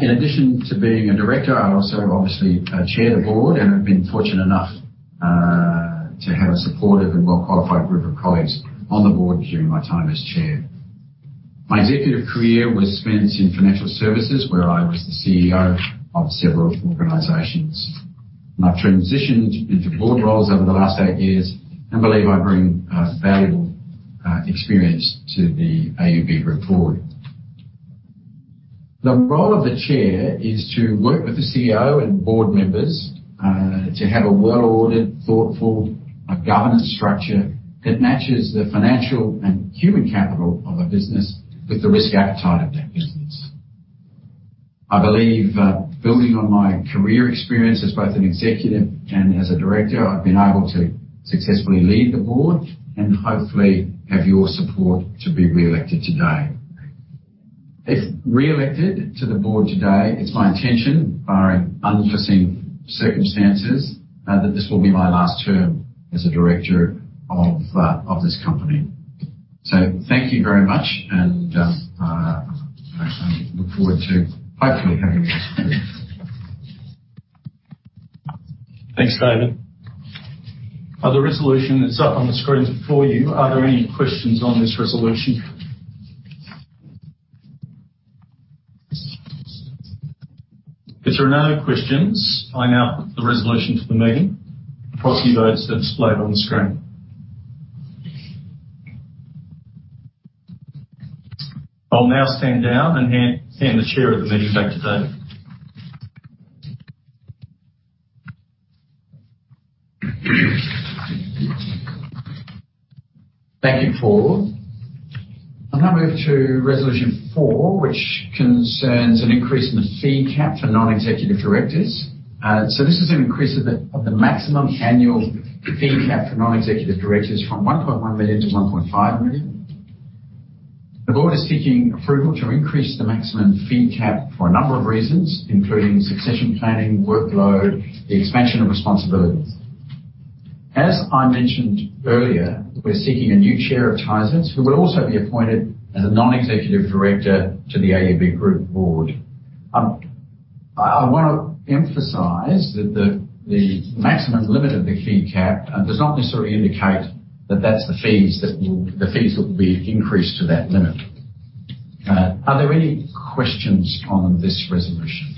A: In addition to being a director, I also obviously chair the board and have been fortunate enough to have a supportive and well-qualified group of colleagues on the board during my time as chair. My executive career was spent in financial services where I was the CEO of several organizations. I've transitioned into board roles over the last eight years and believe I bring valuable experience to the AUB Group board. The role of the chair is to work with the CEO and board members, to have a well-ordered, thoughtful, governance structure that matches the financial and human capital of a business with the risk appetite of that business. I believe, building on my career experience as both an executive and as a director, I've been able to successfully lead the board and hopefully have your support to be re-elected today. If re-elected to the board today, it's my intention, barring unforeseen circumstances, that this will be my last term as a director of this company. Thank you very much, and I look forward to hopefully having this approved.
B: Thanks, David. Other resolution that's up on the screen for you. Are there any questions on this resolution? If there are no questions, I now put the resolution to the meeting. Proxy votes are displayed on the screen. I'll now stand down and hand the chair of the meeting back to David.
A: Thank you, Paul. I'll now move to resolution four, which concerns an increase in the fee cap for non-executive directors. This is an increase of the maximum annual fee cap for non-executive directors from 1.1 million to 1.5 million. The board is seeking approval to increase the maximum fee cap for a number of reasons, including succession planning, workload, the expansion of responsibilities. As I mentioned earlier, we're seeking a new chair of Tysers who will also be appointed as a non-executive director to the AUB Group board. I wanna emphasize that the maximum limit of the fee cap does not necessarily indicate that that's the fees that will be increased to that limit. Are there any questions on this resolution?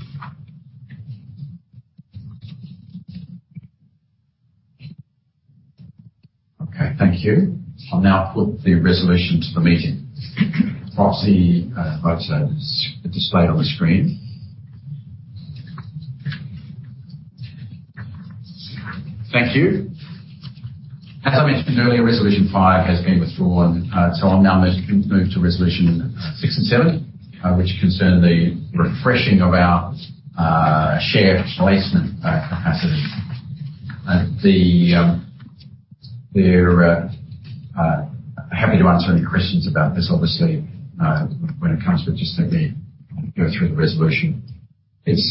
A: Okay. Thank you. I'll now put the resolution to the meeting. Proxy votes are displayed on the screen. Thank you. As I mentioned earlier, resolution five has been withdrawn. I'll now move to resolution six and seven, which concern the refreshing of our share placement capacity. They're happy to answer any questions about this, obviously. When it comes to it, just let me go through the resolution. It's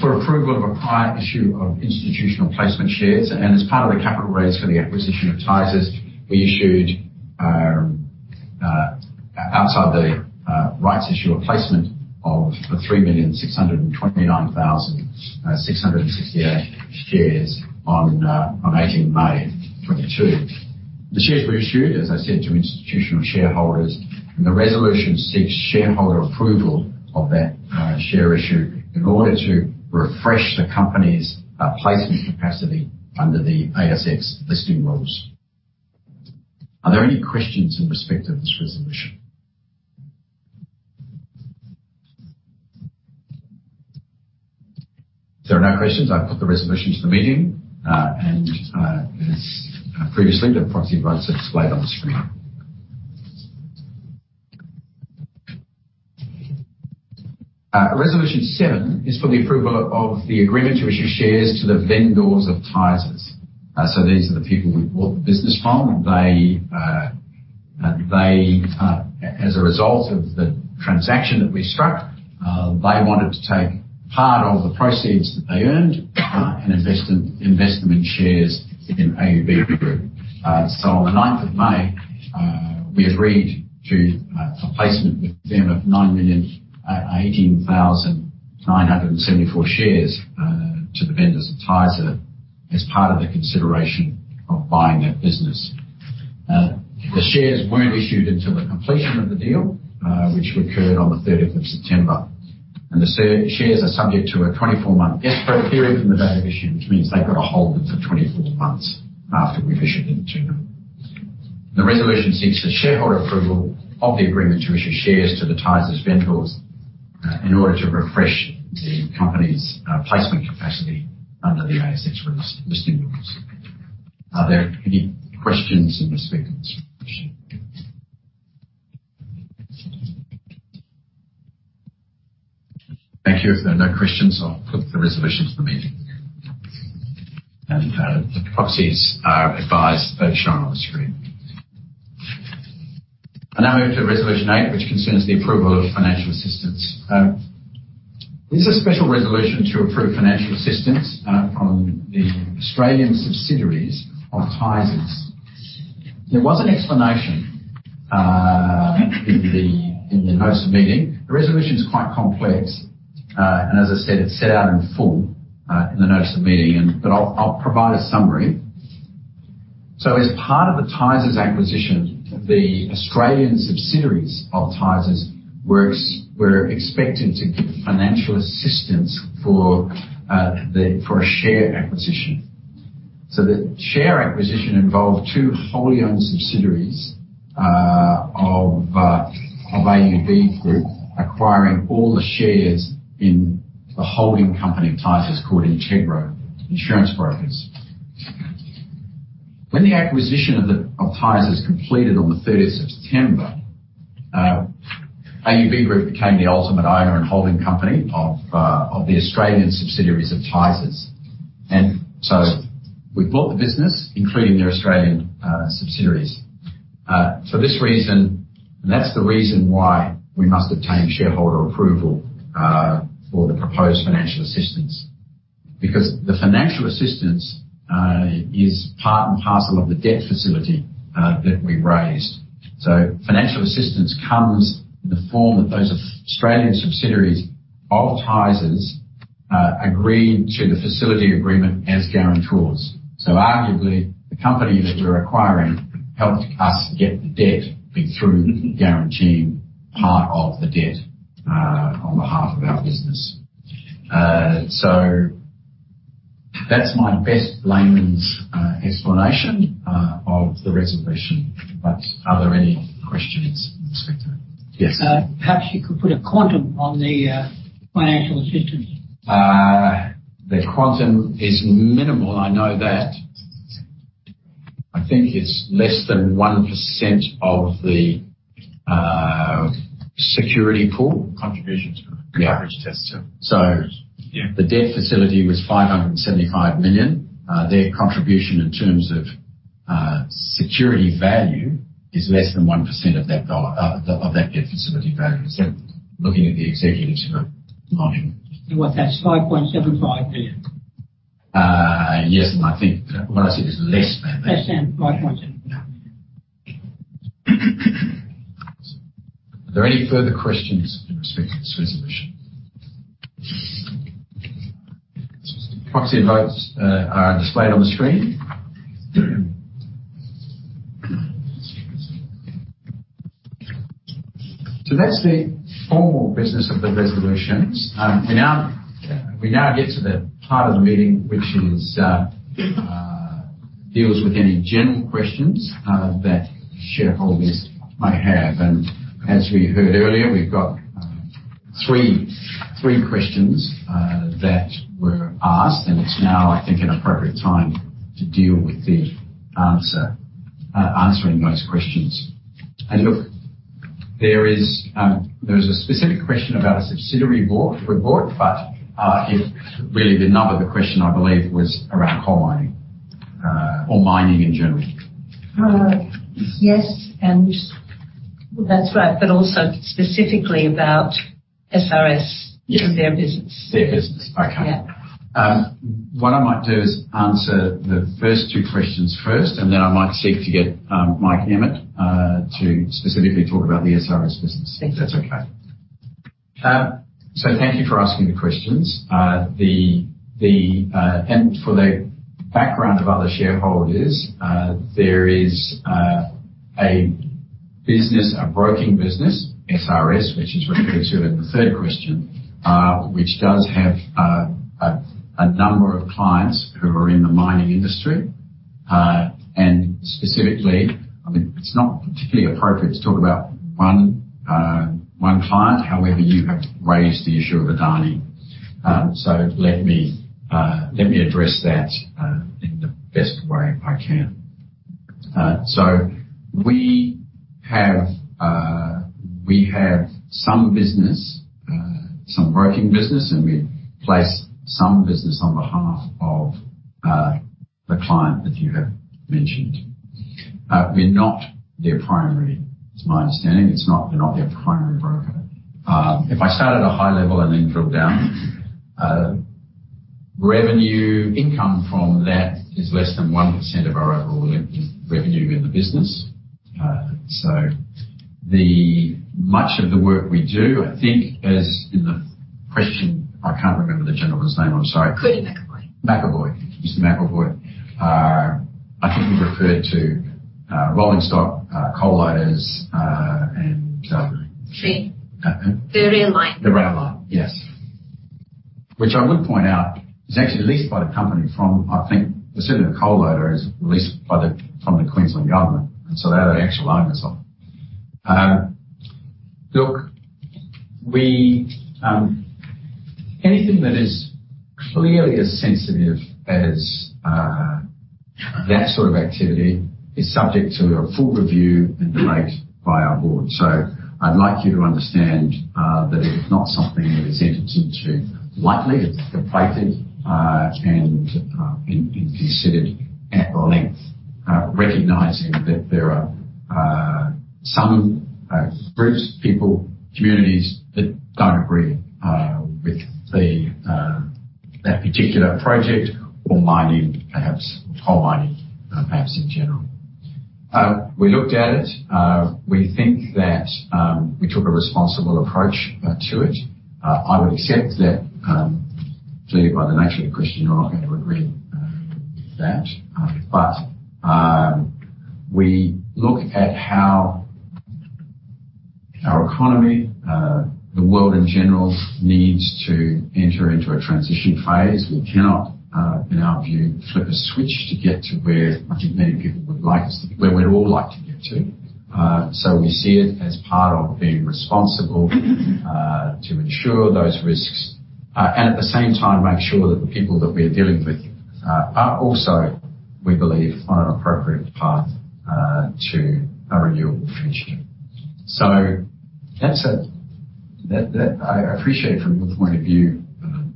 A: for approval of a prior issue of institutional placement shares. As part of the capital raise for the acquisition of Tysers, we issued outside the rights issue a placement of the 3,629,668 shares on eighteenth May 2022. The shares were issued, as I said, to institutional shareholders, and the resolution seeks shareholder approval of that share issue in order to refresh the company's placement capacity under the ASX Listing Rules. Are there any questions in respect of this resolution? If there are no questions, I'll put the resolution to the meeting, and, as previously, the proxy votes are displayed on the screen. Resolution seven is for the approval of the agreement to issue shares to the vendors of Tysers. So these are the people we bought the business from. They, as a result of the transaction that we struck, they wanted to take part of the proceeds that they earned and invest them in shares in AUB Group. On May 9, we agreed to a placement with them of 9,018,974 shares to the vendors of Tysers as part of the consideration of buying that business. The shares weren't issued until the completion of the deal, which occurred on September 30. The shares are subject to a 24-month escrow period from the date of issue, which means they've got to hold them for 24 months after we've issued them to them. The resolution seeks the shareholder approval of the agreement to issue shares to the Tysers vendors, in order to refresh the company's placement capacity under the ASX Listing Rules. Are there any questions in respect of this resolution? Thank you. If there are no questions, I'll put the resolution to the meeting. The proxies are advised as shown on the screen. Now we move to resolution eight, which concerns the approval of financial assistance. This is a special resolution to approve financial assistance from the Australian subsidiaries of Tysers. There was an explanation in the notice of meeting. The resolution is quite complex, and as I said, it's set out in full in the notice of meeting, but I'll provide a summary. As part of the Tysers acquisition, the Australian subsidiaries of Tysers were expected to give financial assistance for a share acquisition. The share acquisition involved two wholly owned subsidiaries of AUB Group acquiring all the shares in the holding company of Tysers called Integro Insurance Brokers. When the acquisition of Tysers completed on September 30, AUB Group became the ultimate owner and holding company of the Australian subsidiaries of Tysers. We bought the business, including their Australian subsidiaries. For this reason, that's the reason why we must obtain shareholder approval for the proposed financial assistance. Because the financial assistance is part and parcel of the debt facility that we raised. Financial assistance comes in the form of those Australian subsidiaries of Tysers agreed to the facility agreement as guarantors. Arguably, the company that we're acquiring helped us get the debt through guaranteeing part of the debt on behalf of our business. That's my best layman's explanation of the resolution. Are there any questions in respect to that?
H: Yes. Perhaps you could put a quantum on the financial assistance.
A: The quantum is minimal. I know that. I think it's less than 1% of the security pool. The debt facility was 575 million. Their contribution in terms of security value is less than 1% of that debt facility value. Looking at the executive amount.
H: What's that? It's AUD 5.75 billion.
A: I think when I said it's less than that.
H: Less than 5.7.
A: Are there any further questions in respect to this resolution? Proxy votes are displayed on the screen. So that's the formal business of the resolutions. We now get to the part of the meeting which deals with any general questions that shareholders may have. As we heard earlier, we've got three questions that were asked, and it's now, I think, an appropriate time to deal with answering those questions. Look, there is a specific question about a subsidiary board report, but if really the nub of the question I believe was around coal mining or mining in general.
G: Yes, that's right. Also specifically about SRS.
A: Yes.
G: Their business.
A: Their business. Okay.
G: Yeah.
A: What I might do is answer the first two questions first, and then I might seek to get Mike Emmett to specifically talk about the SRS business.
G: Thank you.
A: If that's okay. Thank you for asking the questions and for the background of other shareholders. There is a business, a broking business, SRS, which is referred to in the third question, which does have a number of clients who are in the mining industry. Specifically, I mean, it's not particularly appropriate to talk about one client. However, you have raised the issue of Adani, so let me address that in the best way I can. We have some business, some broking business, and we place some business on behalf of the client that you have mentioned. It's my understanding we're not their primary broker. If I start at a high level and then drill down, revenue income from that is less than 1% of our overall revenue in the business. So much of the work we do, I think as in the question, I can't remember the gentleman's name, I'm sorry.
E: Quentin McAvoy.
A: McAvoy. Mr. McAvoy. I think he referred to rolling stock, coal miners, and.
E: The rail line.
A: The rail line. Yes. Which I would point out is actually leased by the company from, I think, specifically the coal loader is leased from the Queensland Government, and so they're the actual owners of it. Look, anything that is clearly as sensitive as that sort of activity is subject to a full review and debate by our board. I'd like you to understand that it's not something that is entered into lightly. It's debated and considered at length, recognizing that there are some groups, people, communities that don't agree with that particular project or mining, perhaps coal mining, perhaps in general. We looked at it, we think that we took a responsible approach to it. I would accept that, clearly by the nature of the question, you're not going to agree with that. We look at how our economy, the world in general needs to enter into a transition phase. We cannot, in our view, flip a switch to get to where I think many people would like us to be, where we'd all like to get to. We see it as part of being responsible to ensure those risks and at the same time make sure that the people that we're dealing with are also, we believe, on an appropriate path to a renewable future. That I appreciate from your point of view,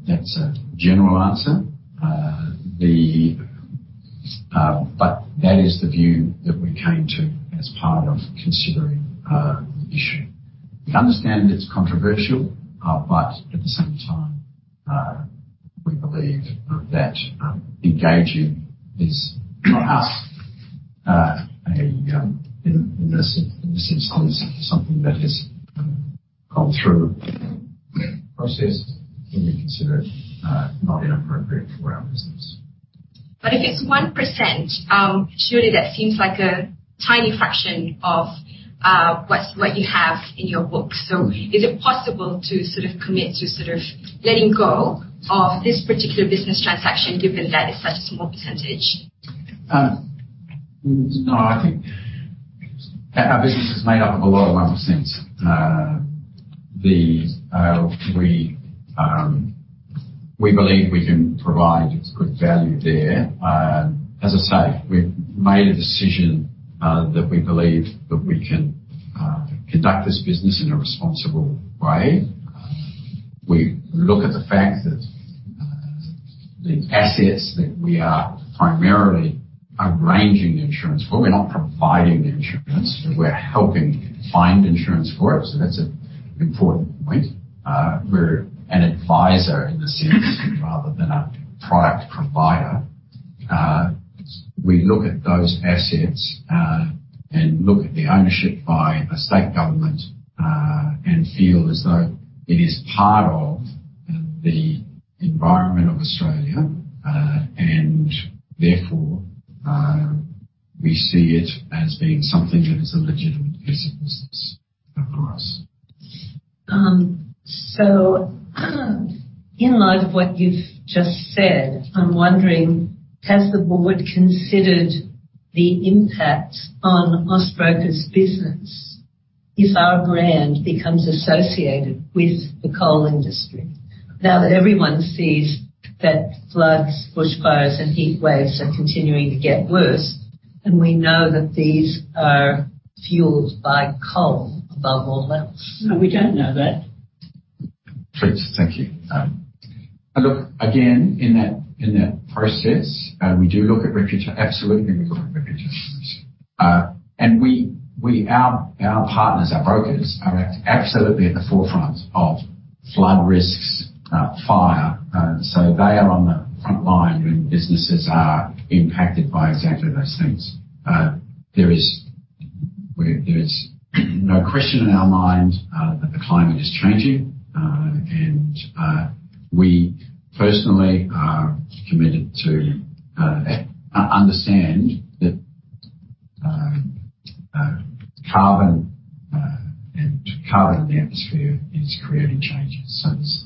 A: that's a general answer. That is the view that we came to as part of considering the issue. We understand it's controversial, but at the same time, we believe that engaging is for us, in this instance, something that has gone through process, can be considered not inappropriate for our business.
E: If it's 1%, surely that seems like a tiny fraction of what you have in your books. Is it possible to sort of commit to sort of letting go of this particular business transaction given that it's such a small percentage?
A: No, I think our business is made up of a lot of one percents. We believe we can provide good value there. As I say, we've made a decision that we believe that we can conduct this business in a responsible way. We look at the fact that the assets that we are primarily arranging insurance for, we're not providing insurance, we're helping find insurance for it. That's an important point. We're an advisor in this sense rather than a product provider. We look at those assets and look at the ownership by a state government and feel as though it is part of the environment of Australia. Therefore, we see it as being something that is a legitimate piece of business for us.
G: In light of what you've just said, I'm wondering, has the board considered the impact on Austbrokers' business if our brand becomes associated with the coal industry? Now that everyone sees that floods, bushfires and heatwaves are continuing to get worse, and we know that these are fueled by coal above all else.
E: No, we don't know that.
A: Please. Thank you. Look, again, in that process, we do look at reputations. Absolutely, we look at reputations. Our partners, our brokers are absolutely at the forefront of flood risks, fire. So they are on the front line when businesses are impacted by exactly those things. There is no question in our mind that the climate is changing. We personally are committed to understand that carbon and carbon in the atmosphere is creating changes. So I'm not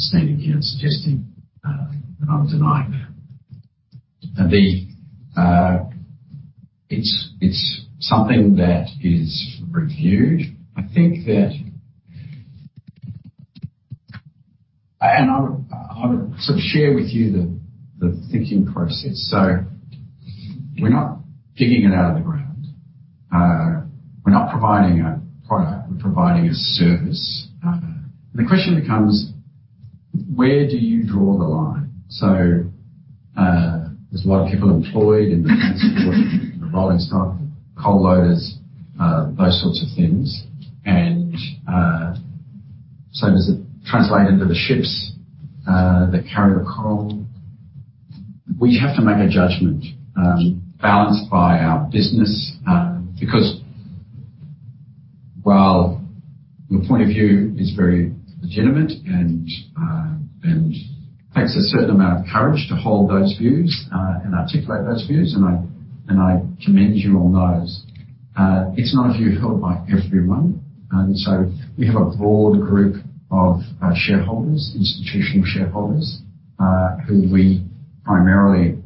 A: standing here and suggesting that I'm denying that. It's something that is reviewed. I think that. I would sort of share with you the thinking process. So we're not digging it out of the ground. We're not providing a product, we're providing a service. The question becomes where do you draw the line? There's a lot of people employed in the transport, the rolling stock, coal loaders, those sorts of things. Does it translate into the ships that carry the coal? We have to make a judgment, balanced by our business. Because while your point of view is very legitimate and takes a certain amount of courage to hold those views and articulate those views, and I commend you on those. It's not a view held by everyone. We have a broad group of shareholders, institutional shareholders, who we primarily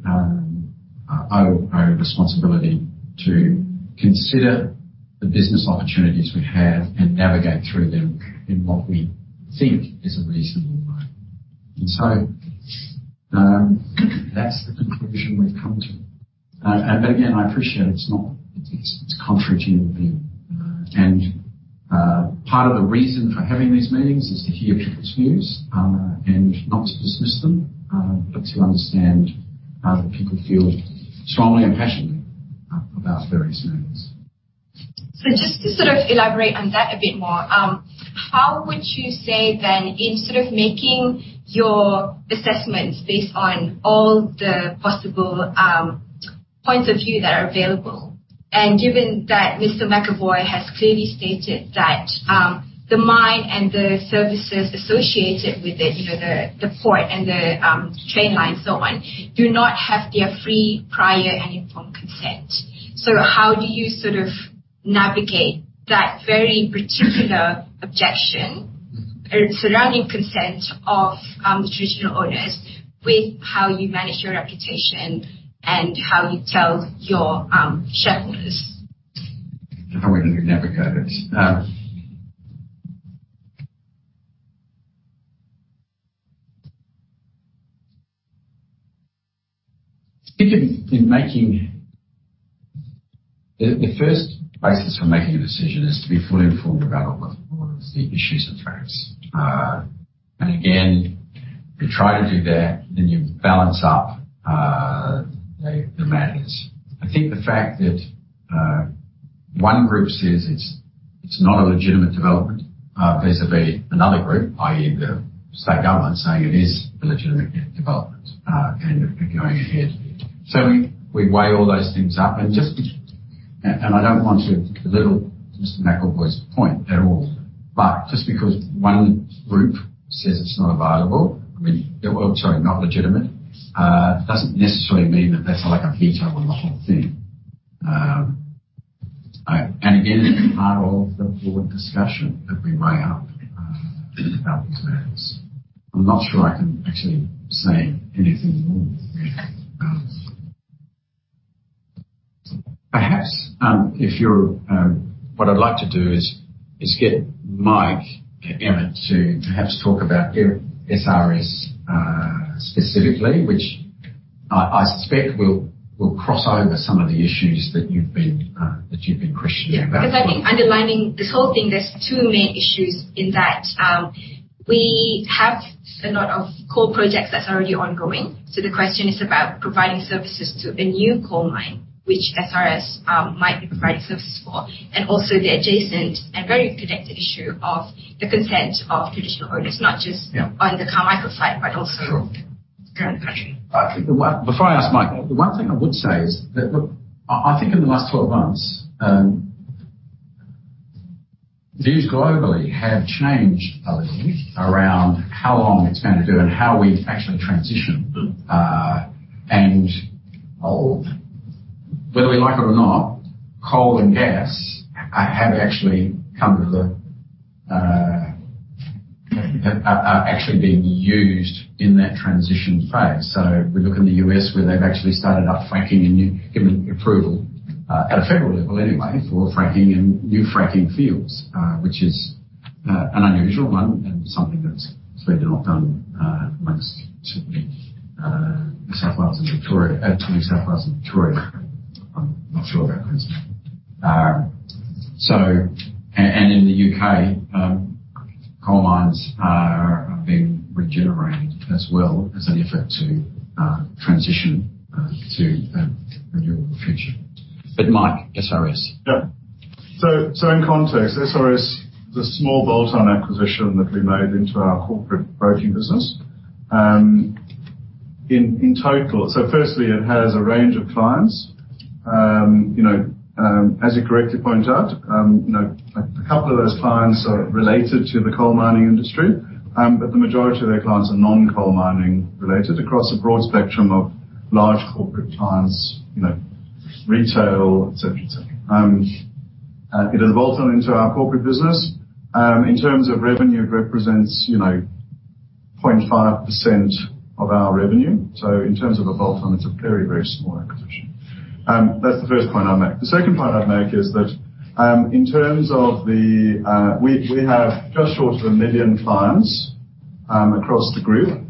A: owe a responsibility to consider the business opportunities we have and navigate through them in what we think is a reasonable way. That's the conclusion we've come to. But again, I appreciate it's not. It's contrary to your view. Part of the reason for having these meetings is to hear people's views, and not to dismiss them, but to understand how people feel strongly and passionately about various matters.
E: Just to sort of elaborate on that a bit more, how would you say then, in sort of making your assessments based on all the possible points of view that are available, and given that Mr. McAvoy has clearly stated that the mine and the services associated with it, you know, the port and the train line and so on, do not have their free, prior, and informed consent. How do you sort of navigate that very particular objection surrounding consent of traditional owners with how you manage your reputation and how you tell your shareholders?
A: How we navigate it. I think in making the first basis for making a decision is to be fully informed about all of the issues and facts. Again, we try to do that, and you balance up the matters. I think the fact that one group says it's not a legitimate development vis-à-vis another group, i.e. the state government saying it is a legitimate development and going ahead. We weigh all those things up. Just, I don't want to belittle Mr. McAvoy's point at all, but just because one group says it's not viable, I mean, or sorry, not legitimate, doesn't necessarily mean that that's like a veto on the whole thing. Again, as part of the board discussion that we weigh up about these matters. I'm not sure I can actually say anything more. What I'd like to do is get Mike Emmett to perhaps talk about SRS specifically, which I suspect will cross over some of the issues that you've been questioning about.
E: Yeah. Because I think underlining this whole thing, there's two main issues in that we have a lot of coal projects that's already ongoing. The question is about providing services to a new coal mine, which SRS might be providing services for, and also the adjacent and very connected issue of the consent of Traditional Owners, not just.
A: Yeah.
E: On the Carmichael site, but also
A: Sure.
E: the current project.
A: Before I ask Mike, the one thing I would say is that, look, I think in the last 12 months, views globally have changed, I think, around how long it's gonna do and how we actually transition. And whether we like it or not, coal and gas are actually being used in that transition phase. If we look in the U.S. where they've actually started up fracking and giving approval at a federal level anyway for fracking in new fracking fields, which is an unusual one and something that's certainly not done once, certainly, in New South Wales and Victoria. I'm not sure about Queensland. in the U.K., coal mines are being regenerated as well as an effort to transition to a renewable future. Mike, SRS.
D: Yeah. In context, SRS is a small bolt-on acquisition that we made into our corporate broking business. In total, firstly, it has a range of clients. You know, as you correctly point out, you know, a couple of those clients are related to the coal mining industry, but the majority of their clients are non-coal mining related across a broad spectrum of large corporate clients, you know, retail, et cetera. It has bolted into our corporate business. In terms of revenue, it represents, you know, 0.5% of our revenue. In terms of a bolt-on, it is a very, very small acquisition. That is the first point I will make. The second point I would make is that, in terms of the, we have just short of 1 million clients across the group.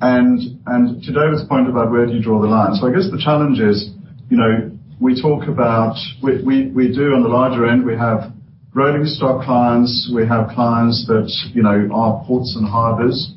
D: To David's point about where do you draw the line. I guess the challenge is, you know, we do on the larger end, we have rolling stock clients. We have clients that, you know, are ports and harbors,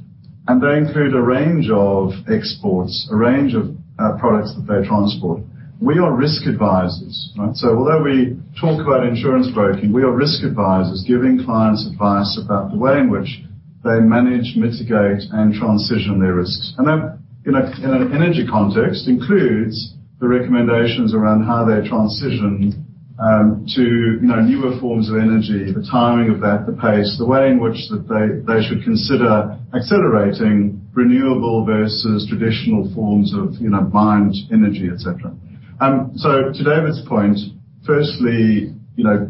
D: and they include a range of exports, a range of products that they transport. We are risk advisors, right? Although we talk about insurance broking, we are risk advisors giving clients advice about the way in which they manage, mitigate, and transition their risks. That, in an energy context, includes the recommendations around how they transition to, you know, newer forms of energy, the timing of that, the pace, the way in which they should consider accelerating renewable versus traditional forms of, you know, buying energy, et cetera. To David's point, firstly, you know,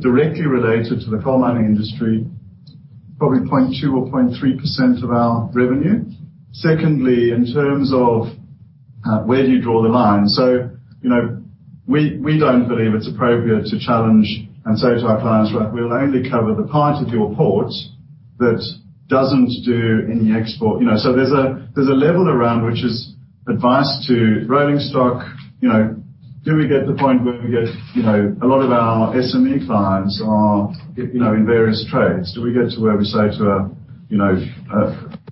D: directly related to the coal mining industry, probably 0.2% or 0.3% of our revenue. Secondly, in terms of where do you draw the line? You know, we don't believe it's appropriate to challenge and say to our clients, "Well, we'll only cover the part of your port that doesn't do any export." You know, there's a level around which is advice to rolling stock. You know, do we get to the point where, you know, a lot of our SME clients are, you know, in various trades. Do we get to where we say to a, you know, a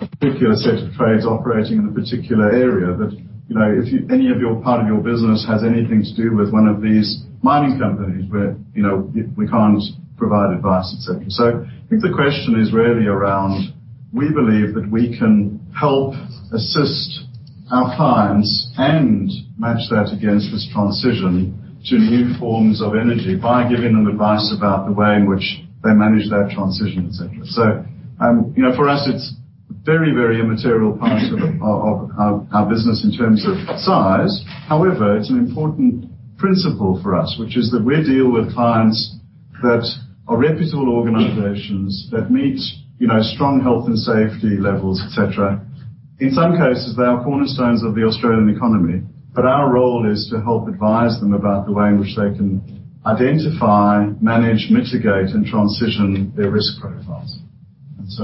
D: particular set of trades operating in a particular area that, you know, if any of your part of your business has anything to do with one of these mining companies where, you know, we can't provide advice, et cetera. I think the question is really around, we believe that we can help assist our clients and match that against this transition to new forms of energy by giving them advice about the way in which they manage that transition, et cetera. You know, for us, it's very, very immaterial part of our business in terms of size. However, it's an important principle for us, which is that we deal with clients that are reputable organizations that meet, you know, strong health and safety levels, et cetera. In some cases, they are cornerstones of the Australian economy, but our role is to help advise them about the way in which they can identify, manage, mitigate, and transition their risk profiles. That's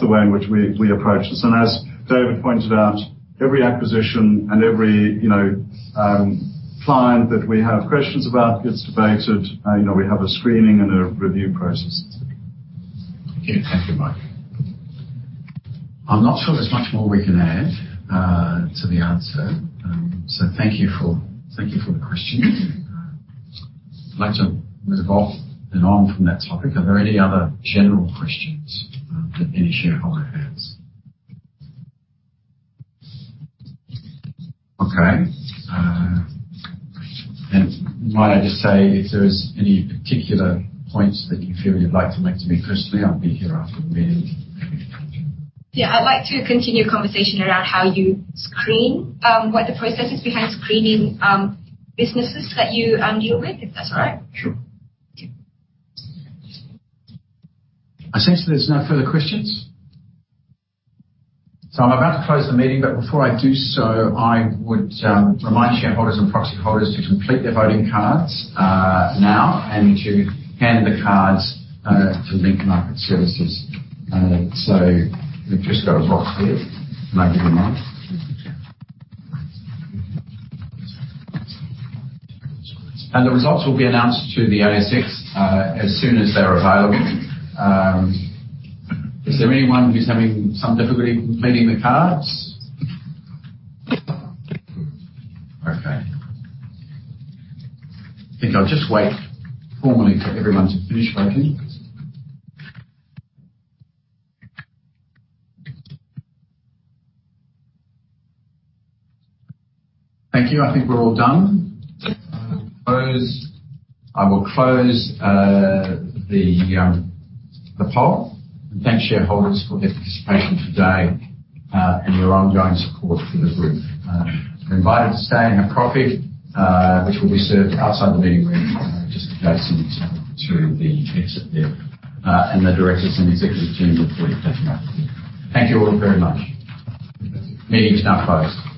D: the way in which we approach this. As David pointed out, every acquisition and every client that we have questions about gets debated. We have a screening and a review process, et cetera.
A: Thank you, Mike. I'm not sure there's much more we can add to the answer. Thank you for the question. I'd like to move off and on from that topic. Are there any other general questions that any shareholder has? Okay. Might I just say if there's any particular points that you feel you'd like to make to me personally, I'll be here after the meeting.
E: Yeah. I'd like to continue conversation around how you screen what the process is behind screening businesses that you deal with, if that's all right.
A: Sure.
E: Okay.
A: I sense there's no further questions. I'm about to close the meeting, but before I do so, I would remind shareholders and proxy holders to complete their voting cards now and to hand the cards to Link Market Services. We've just got a box here. I give you mine. The results will be announced to the ASX as soon as they're available. Is there anyone who's having some difficulty completing the cards? Okay. I think I'll just wait formally for everyone to finish voting. Thank you. I think we're all done. I will close the poll. Thank shareholders for their participation today and your ongoing support for the group. You're invited to stay and have coffee, which will be served outside the meeting room just adjacent to the exit there. The directors and executive team look forward to catching up with you. Thank you all very much. Meeting now closed.